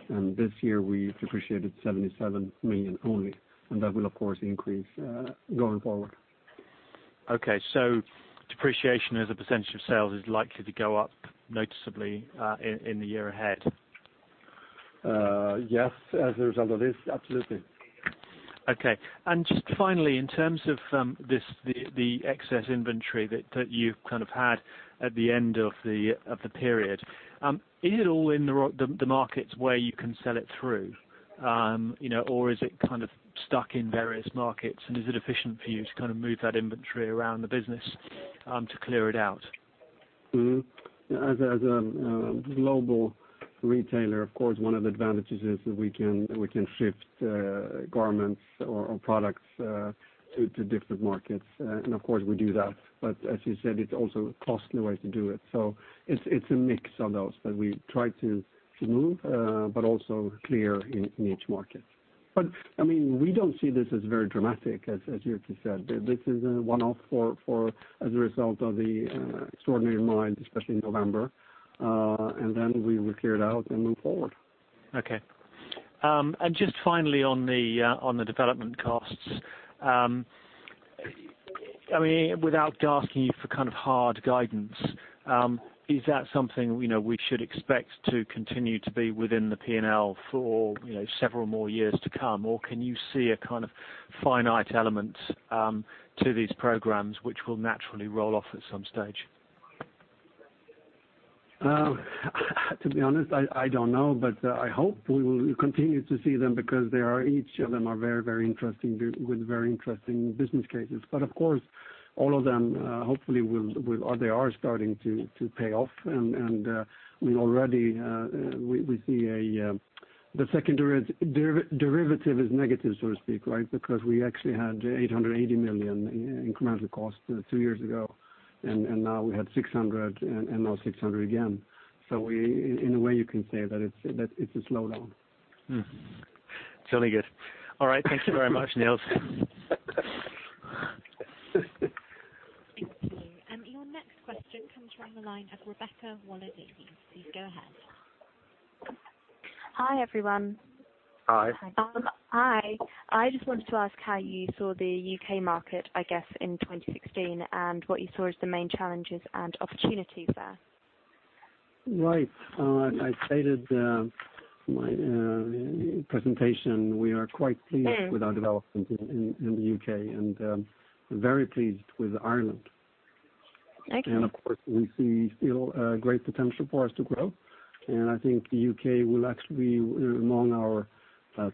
and this year we depreciated 77 million only, and that will, of course, increase going forward. Okay. Depreciation as a percentage of sales is likely to go up noticeably in the year ahead. Yes. As a result of this, absolutely. Okay. Just finally, in terms of the excess inventory that you've kind of had at the end of the period, is it all in the markets where you can sell it through? Or is it kind of stuck in various markets, and is it efficient for you to move that inventory around the business to clear it out? As a global retailer, of course, one of the advantages is that we can shift garments or products to different markets. Of course, we do that. As you said, it's also costly way to do it. It's a mix of those that we try to move, but also clear in each market. We don't see this as very dramatic, as Jyrki said. This is a one-off as a result of the extraordinary demand, especially in November. Then we will clear it out and move forward. Okay. Just finally on the development costs. Without asking you for hard guidance, is that something we should expect to continue to be within the P&L for several more years to come, or can you see a kind of finite element to these programs which will naturally roll off at some stage? To be honest, I don't know, but I hope we will continue to see them because each of them are very interesting, with very interesting business cases. Of course, all of them, hopefully, they are starting to pay off, and we already see the second derivative is negative, so to speak, right? Because we actually had 880 million in incremental cost two years ago, and now we had 600 million, and now 600 million again. In a way, you can say that it's a slowdown. Sounds good. All right. Thank you very much, Nils. Thank you. Your next question comes from the line of Rebecca McClellan. Please go ahead. Hi, everyone. Hi. Hi. I just wanted to ask how you saw the U.K. market, I guess, in 2016, and what you saw as the main challenges and opportunities there. Right. As I stated in my presentation, we are quite pleased with our development in the U.K. and very pleased with Ireland. Okay. Of course, we see still a great potential for us to grow, and I think the U.K. will actually be among our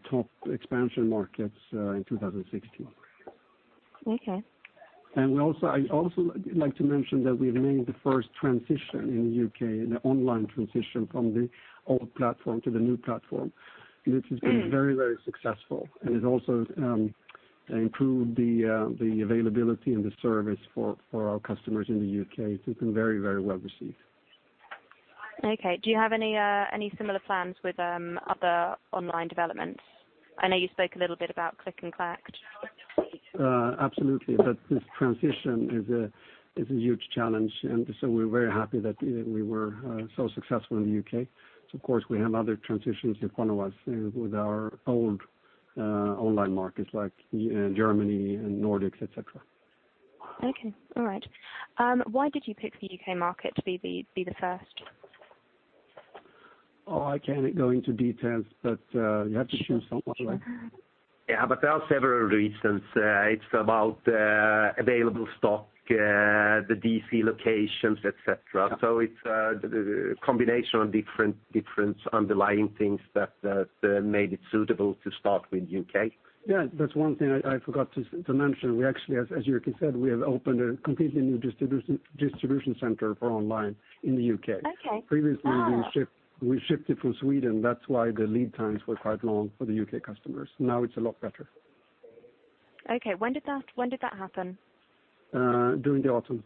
top expansion markets in 2016. Okay. I also like to mention that we made the first transition in the U.K., the online transition from the old platform to the new platform, and it has been very successful, and it also improve the availability and the service for our customers in the U.K. It has been very, very well received. Okay. Do you have any similar plans with other online developments? I know you spoke a little bit about Click & Collect. Absolutely. This transition is a huge challenge. We're very happy that we were so successful in the U.K. Of course, we have other transitions in front of us with our old online markets like Germany and Nordics, et cetera. Okay. All right. Why did you pick the U.K. market to be the first? Oh, I can't go into details, but you have to choose someone. Sure. Yeah, there are several reasons. It's about available stock, the DC locations, et cetera. It's a combination of different underlying things that made it suitable to start with U.K. Yeah, that's one thing I forgot to mention. We actually, as Jyrki said, we have opened a completely new distribution center for online in the U.K. Okay. Okay. Previously, we shipped it from Sweden. That's why the lead times were quite long for the U.K. customers. Now it's a lot better. Okay. When did that happen? During the autumn.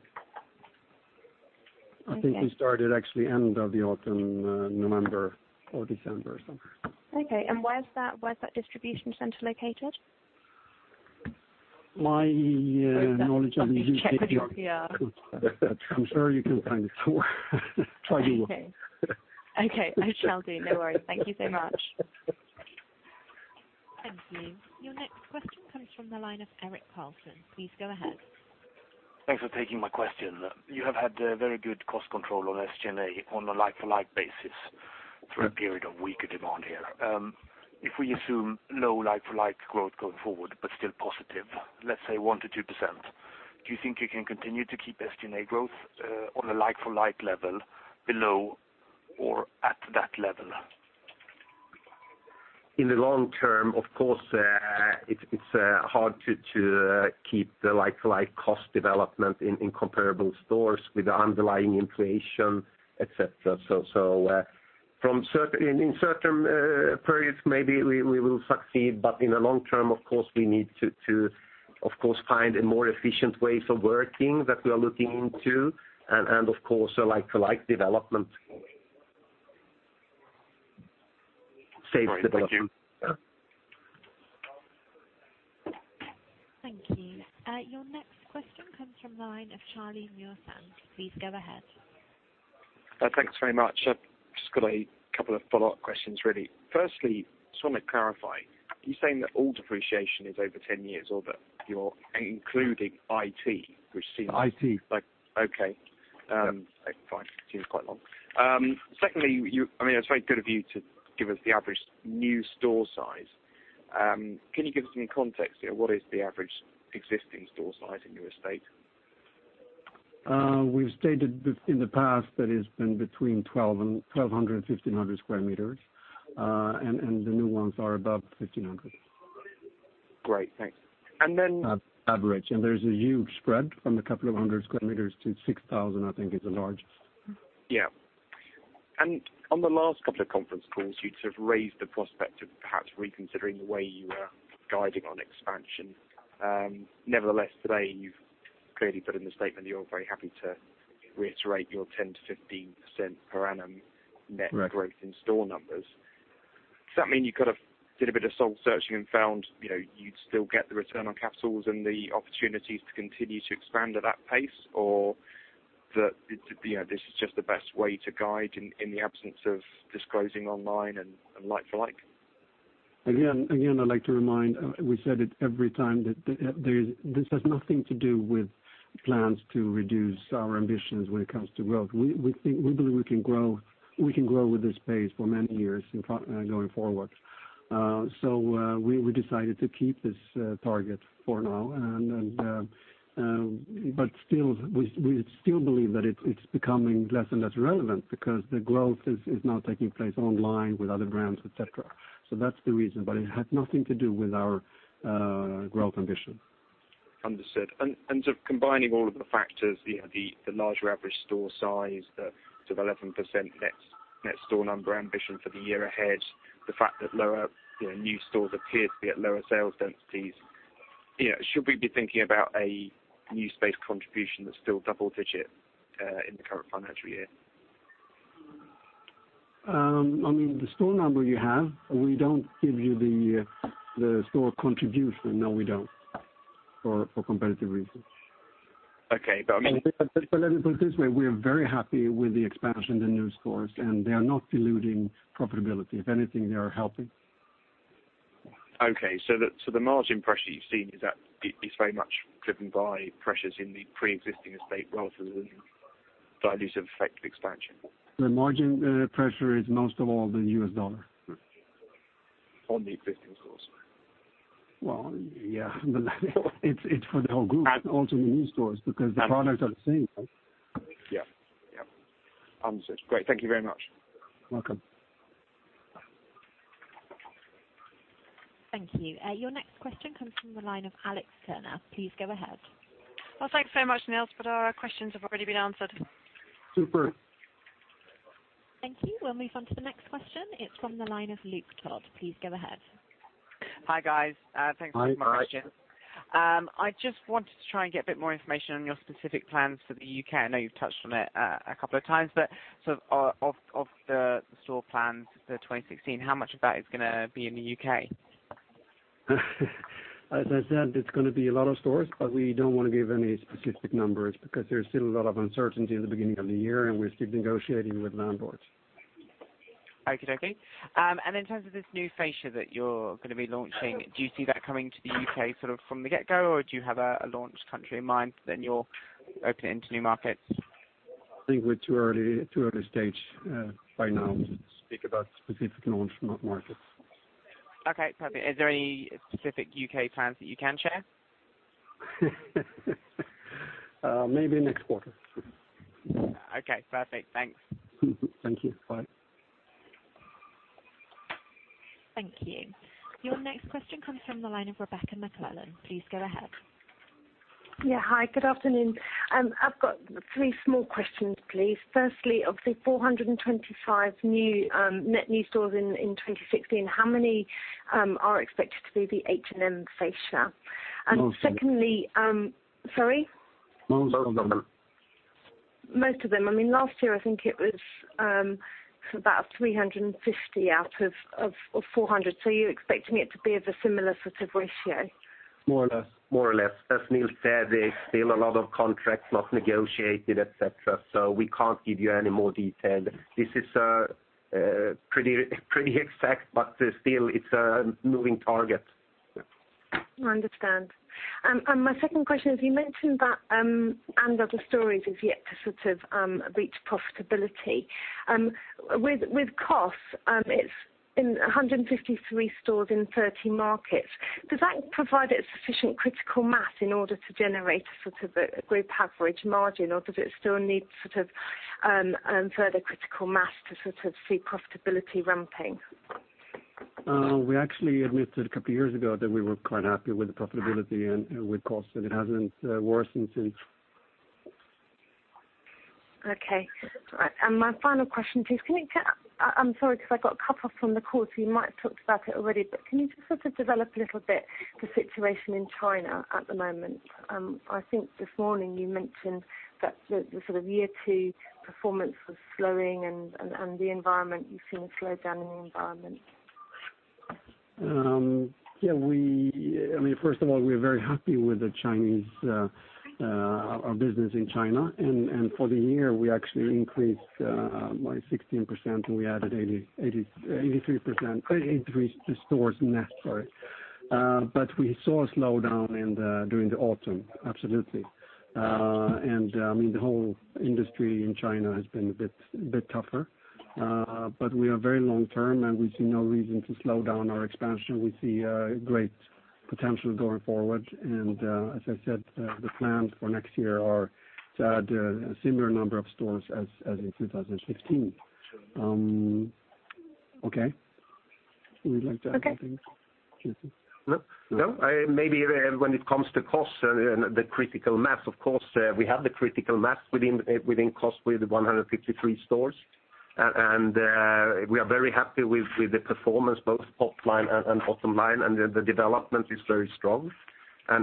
Okay. I think we started actually end of the autumn, November or December or somewhere. Okay. Where's that distribution center located? My knowledge on the U.K.- Let me check with Jyrki. Yeah. I'm sure you can find it. Try Google. Okay. I shall do. No worries. Thank you so much. Thank you. Your next question comes from the line of Erik Olsson. Please go ahead. Thanks for taking my question. You have had very good cost control on SG&A on a like-for-like basis through a period of weaker demand here. If we assume low like-for-like growth going forward, but still positive, let's say 1%-2%, do you think you can continue to keep SG&A growth on a like-for-like level below or at that level? In the long term, of course, it's hard to keep the like-for-like cost development in comparable stores with underlying inflation, et cetera. In certain periods, maybe we will succeed, but in the long term, of course, we need to find more efficient ways of working that we are looking into, and of course, a like-for-like development. Safe development. All right. Thank you. Thank you. Your next question comes from the line of Chiara Battistini. Please go ahead. Thanks very much. I've just got a couple of follow-up questions, really. Firstly, just want to clarify, are you saying that all depreciation is over 10 years or that you're including IT, which seems. IT Okay. Fine. Seems quite long. Secondly, it's very good of you to give us the average new store size. Can you give us any context here? What is the average existing store size in your estate? We've stated in the past that it's been between 1,200 and 1,500 sq m, and the new ones are above 1,500. Great. Thanks. Average. There's a huge spread from a couple of hundred sq m to 6,000, I think is the largest. Yeah. On the last couple of conference calls, you sort of raised the prospect of perhaps reconsidering the way you were guiding on expansion. Nevertheless, today, you've clearly put in the statement you're very happy to reiterate your 10%-15% per annum net growth- Right in store numbers. Does that mean you kind of did a bit of soul searching and found you'd still get the return on CapEx and the opportunities to continue to expand at that pace? Or that this is just the best way to guide in the absence of disclosing online and like-for-like? I'd like to remind, we said it every time, that this has nothing to do with plans to reduce our ambitions when it comes to growth. We believe we can grow with this pace for many years going forward. We decided to keep this target for now. We still believe that it's becoming less and less relevant because the growth is now taking place online with other brands, et cetera. That's the reason, but it has nothing to do with our growth ambition. Understood. Sort of combining all of the factors, the larger average store size, the sort of 11% net store number ambition for the year ahead, the fact that new stores appear to be at lower sales densities. Should we be thinking about a new space contribution that's still double digit in the current financial year? On the store number you have, we don't give you the store contribution. No, we don't, for competitive reasons. Okay. Let me put it this way, we are very happy with the expansion of the new stores, and they are not diluting profitability. If anything, they are helping. Okay. The margin pressure you've seen, is very much driven by pressures in the preexisting estate rather than the dilutive effect of expansion? The margin pressure is most of all the U.S. dollar. On the existing stores? Well, yeah. It's for the whole group, also the new stores, because the products are the same. Yeah. Understood. Great. Thank you very much. Welcome. Thank you. Your next question comes from the line of Alec Turner. Please go ahead. Well, thanks so much, Nils. Our questions have already been answered. Super. Thank you. We'll move on to the next question. It's from the line of Luke Ladden. Please go ahead. Hi, guys. Thanks very much. Hi. I just wanted to try and get a bit more information on your specific plans for the U.K. I know you've touched on it a couple of times, but of the store plans for 2016, how much of that is going to be in the U.K.? As I said, it's going to be a lot of stores, but we don't want to give any specific numbers because there's still a lot of uncertainty at the beginning of the year, and we're still negotiating with landlords. In terms of this new fascia that you're going to be launching, do you see that coming to the U.K. from the get-go, or do you have a launch country in mind, then you'll open it into new markets? I think we're in too early a stage by now to speak about specific launch markets. Okay, perfect. Is there any specific U.K. plans that you can share? Maybe next quarter. Okay, perfect. Thanks. Thank you. Bye. Thank you. Your next question comes from the line of Rebecca McClellan. Please go ahead. Yeah. Hi, good afternoon. I've got three small questions, please. Firstly, of the 425 net new stores in 2016, how many are expected to be the H&M fascia? secondly Most of them. Sorry? Most of them. Most of them. Last year, I think it was about 350 out of 400. You're expecting it to be of a similar sort of ratio? More or less. More or less. As Nils said, there is still a lot of contracts not negotiated, et cetera, we can't give you any more detail. This is pretty exact, but still, it's a moving target. I understand. My second question is, you mentioned that & Other Stories is yet to reach profitability. With COS, it's in 153 stores in 30 markets. Does that provide a sufficient critical mass in order to generate a group average margin, or does it still need further critical mass to see profitability ramping? We actually admitted a couple of years ago that we were quite happy with the profitability and with costs, that it hasn't worsened since. Okay. All right. My final question, please. I'm sorry because I got cut off from the call, you might have talked about it already, can you just develop a little bit the situation in China at the moment? I think this morning you mentioned that the year two performance was slowing, the environment, you're seeing a slowdown in the environment. Yeah. First of all, we are very happy with our business in China. For the year, we actually increased by 16%, and we added 83% increase to stores net. Sorry. We saw a slowdown during the autumn, absolutely. The whole industry in China has been a bit tougher. We are very long-term, and we see no reason to slow down our expansion. We see great potential going forward. As I said, the plans for next year are to add a similar number of stores as in 2016. Okay. Would you like to add anything? Okay. No. Maybe when it comes to costs and the critical mass, of course, we have the critical mass within cost with 153 stores. We are very happy with the performance, both top line and bottom line, and the development is very strong. As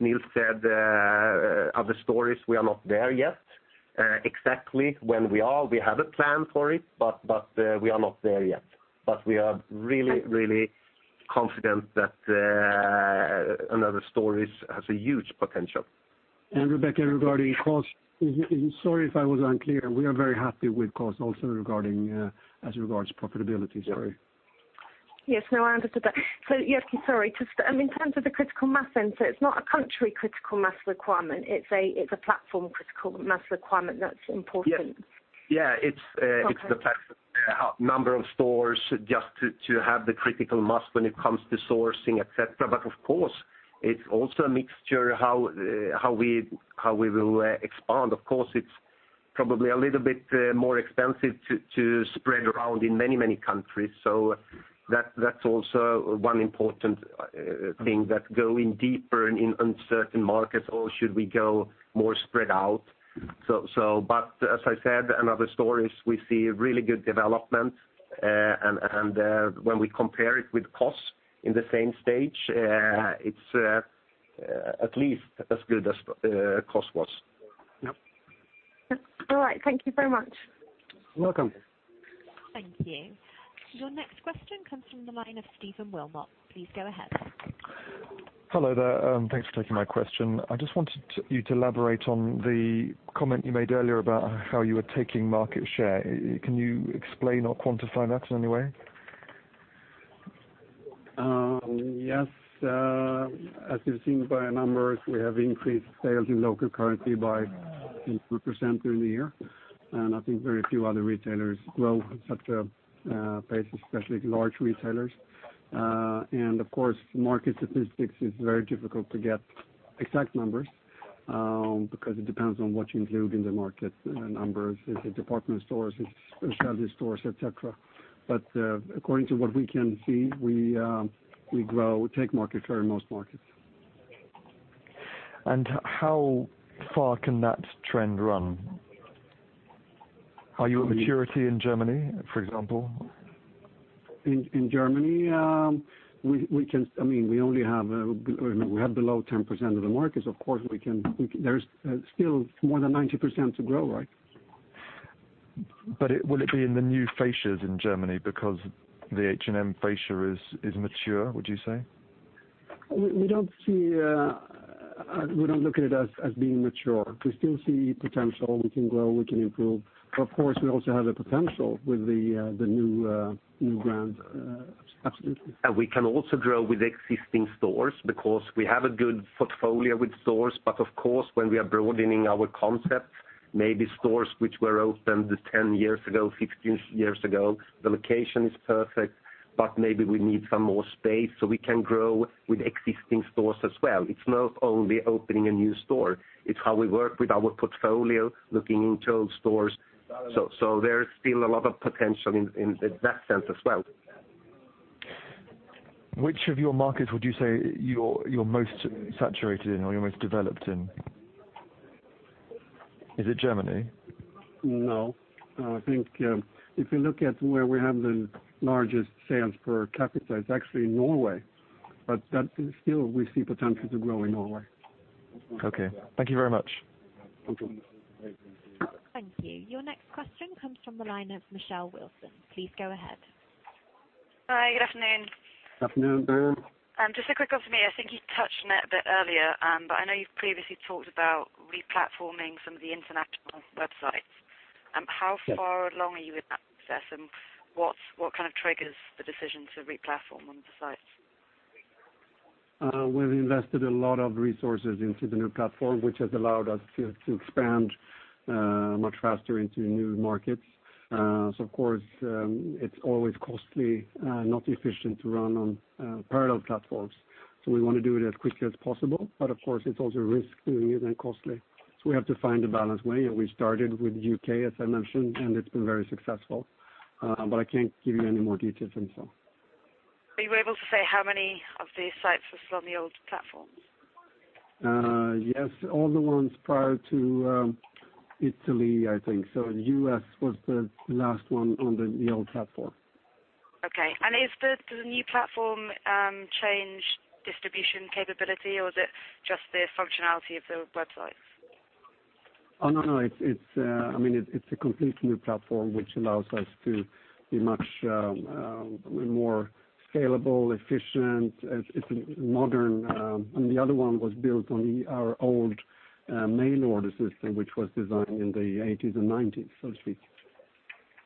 Nils said, & Other Stories, we are not there yet. Exactly when we are, we have a plan for it, but we are not there yet. We are really, really confident that & Other Stories has a huge potential. Rebecca, regarding costs, sorry if I was unclear. We are very happy with costs also as regards profitability. Sorry. Yes. No, I understood that. Jyrki, sorry. Just in terms of the critical mass, it's not a country critical mass requirement, it's a platform critical mass requirement that's important. Yes. Okay. It's the number of stores just to have the critical mass when it comes to sourcing, et cetera. Of course, it's also a mixture how we will expand. Of course, it's probably a little bit more expensive to spread around in many, many countries. That's also one important thing, that going deeper in uncertain markets, or should we go more spread out? As I said, & Other Stories, we see really good development, and when we compare it with COS in the same stage, it's at least as good as the COS was. Yep. All right. Thank you very much. You're welcome. Thank you. Your next question comes from the line of Steven Vilmot. Please go ahead. Hello there. Thanks for taking my question. I just wanted you to elaborate on the comment you made earlier about how you were taking market share. Can you explain or quantify that in any way? Yes. As you've seen by our numbers, we have increased sales in local currency by 10% during the year. I think very few other retailers grow at such a pace, especially large retailers. Of course, market statistics, it's very difficult to get exact numbers, because it depends on what you include in the market numbers. Is it department stores? Is it specialty stores, et cetera? But according to what we can see, we take market share in most markets. How far can that trend run? Are you at maturity in Germany, for example? In Germany, we have below 10% of the market, of course, there's still more than 90% to grow, right? Will it be in the new fascias in Germany because the H&M fascia is mature, would you say? We don't look at it as being mature. We still see potential. We can grow, we can improve. Of course, we also have the potential with the new brands, absolutely. We can also grow with existing stores because we have a good portfolio with stores. Of course, when we are broadening our concept, maybe stores which were opened 10 years ago, 15 years ago, the location is perfect, but maybe we need some more space so we can grow with existing stores as well. It's not only opening a new store, it's how we work with our portfolio, looking into old stores. There is still a lot of potential in that sense as well. Which of your markets would you say you're most saturated in or you're most developed in? Is it Germany? No. I think if you look at where we have the largest sales per capita, it's actually Norway. Still, we see potential to grow in Norway. Okay. Thank you very much. Welcome. Thank you. Your next question comes from the line of Michelle Wilson. Please go ahead. Hi, good afternoon. Afternoon. Just a quick one for me. I think you touched on it a bit earlier, I know you've previously talked about re-platforming some of the international websites. Yes. How far along are you with that process, what kind of triggers the decision to re-platform on the sites? We've invested a lot of resources into the new platform, which has allowed us to expand much faster into new markets. Of course, it's always costly, not efficient to run on parallel platforms. We want to do it as quickly as possible. Of course, it's also risky and costly. We have to find a balanced way, we started with U.K., as I mentioned, it's been very successful. I can't give you any more details than so. Are you able to say how many of the sites are still on the old platform? Yes, all the ones prior to Italy, I think. The U.S. was the last one on the old platform. Okay. Does the new platform change distribution capability, or is it just the functionality of the websites? Oh, no. It's a completely new platform, which allows us to be much more scalable, efficient. It's modern. The other one was built on our old mail order system, which was designed in the '80s and '90s, so to speak.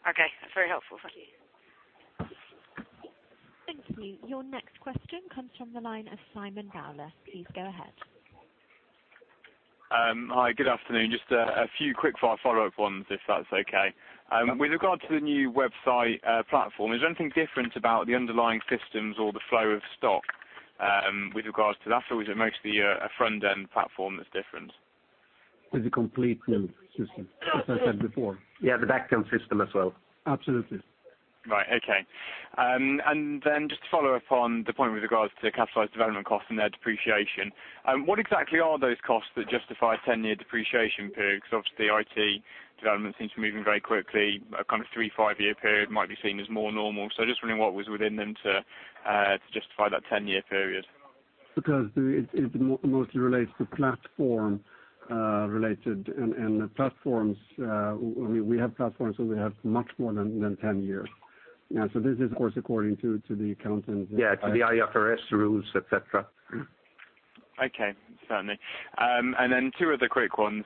Okay. That's very helpful. Thank you. Thank you. Your next question comes from the line of Simon Bowler. Please go ahead. Hi, good afternoon. Just a few quick follow-up ones, if that's okay. With regard to the new website platform, is there anything different about the underlying systems or the flow of stock with regards to that, or is it mostly a front-end platform that's different? It's a complete new system, as I said before. Yeah, the back-end system as well. Absolutely. Right. Okay. Just to follow up on the point with regards to capitalized development costs and their depreciation, what exactly are those costs that justify a 10-year depreciation period? Because obviously, IT development seems to be moving very quickly. A kind of 3- to 5-year period might be seen as more normal. Just wondering what was within them to justify that 10-year period. It mostly relates to platform-related, and we have platforms where we have much more than 10 years. This is, of course, according to the accountants- Yeah, to the IFRS rules, et cetera. Okay. Certainly. Two other quick ones.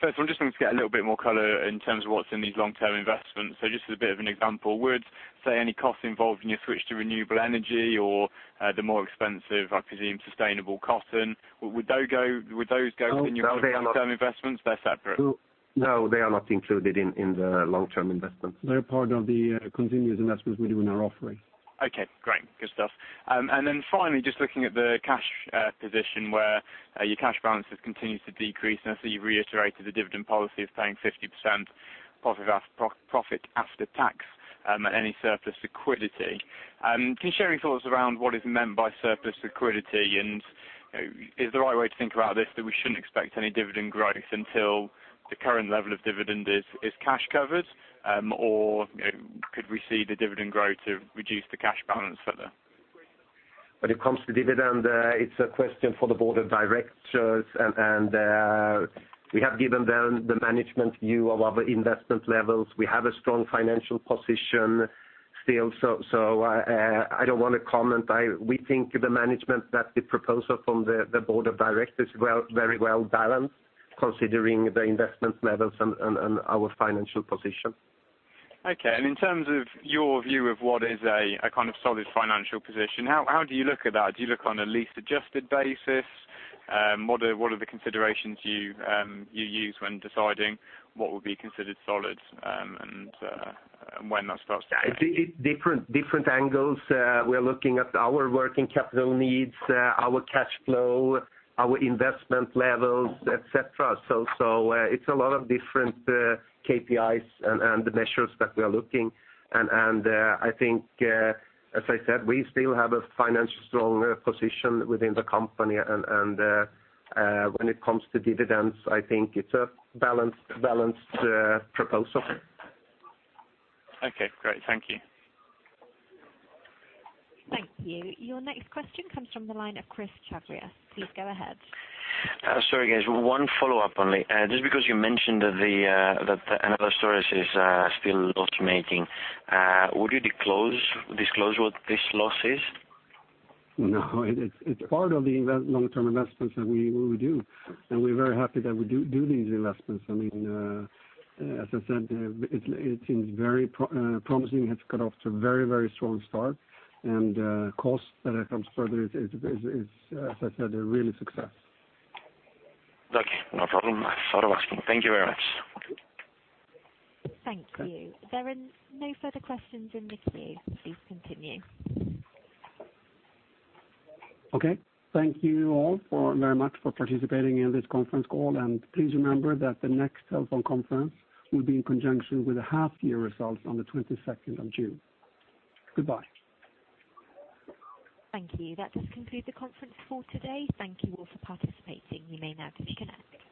First one, just wanted to get a little bit more color in terms of what's in these long-term investments. Just as a bit of an example, would, say, any costs involved in your switch to renewable energy or the more expensive, I presume, sustainable cotton, would those go within your long-term investments? They're separate? No, they are not included in the long-term investments. They're part of the continuous investments we do in our offering. Okay, great. Good stuff. Finally, just looking at the cash position where your cash balances continue to decrease, I see you reiterated the dividend policy of paying 50% profit after tax at any surplus liquidity. Can you share your thoughts around what is meant by surplus liquidity? Is the right way to think about this that we shouldn't expect any dividend growth until the current level of dividend is cash covered, or could we see the dividend grow to reduce the cash balance further? When it comes to dividend, it's a question for the board of directors. We have given them the management view of our investment levels. We have a strong financial position still. I don't want to comment. We think, the management, that the proposal from the board of directors is very well-balanced, considering the investment levels and our financial position. Okay. In terms of your view of what is a kind of solid financial position, how do you look at that? Do you look on a lease-adjusted basis? What are the considerations you use when deciding what would be considered solid and when that starts to change? Different angles. We are looking at our working capital needs, our cash flow, our investment levels, et cetera. It's a lot of different KPIs and measures that we are looking. I think, as I said, we still have a financially strong position within the company. When it comes to dividends, I think it's a balanced proposal. Okay, great. Thank you. Thank you. Your next question comes from the line of Chiara Laudanna. Please go ahead. Sorry, guys. One follow-up only. Because you mentioned that & Other Stories is still loss-making, would you disclose what this loss is? No, it's part of the long-term investments that we do. We're very happy that we do these investments. As I said, it seems very promising. It's got off to a very strong start, and COS, when it comes further, is, as I said, a real success. Okay, no problem. Thank you very much. Thank you. There are no further questions in the queue. Please continue. Okay. Thank you all very much for participating in this conference call. Please remember that the next telephone conference will be in conjunction with the half-year results on the 22nd of June. Goodbye. Thank you. That does conclude the conference call today. Thank you all for participating. You may now disconnect.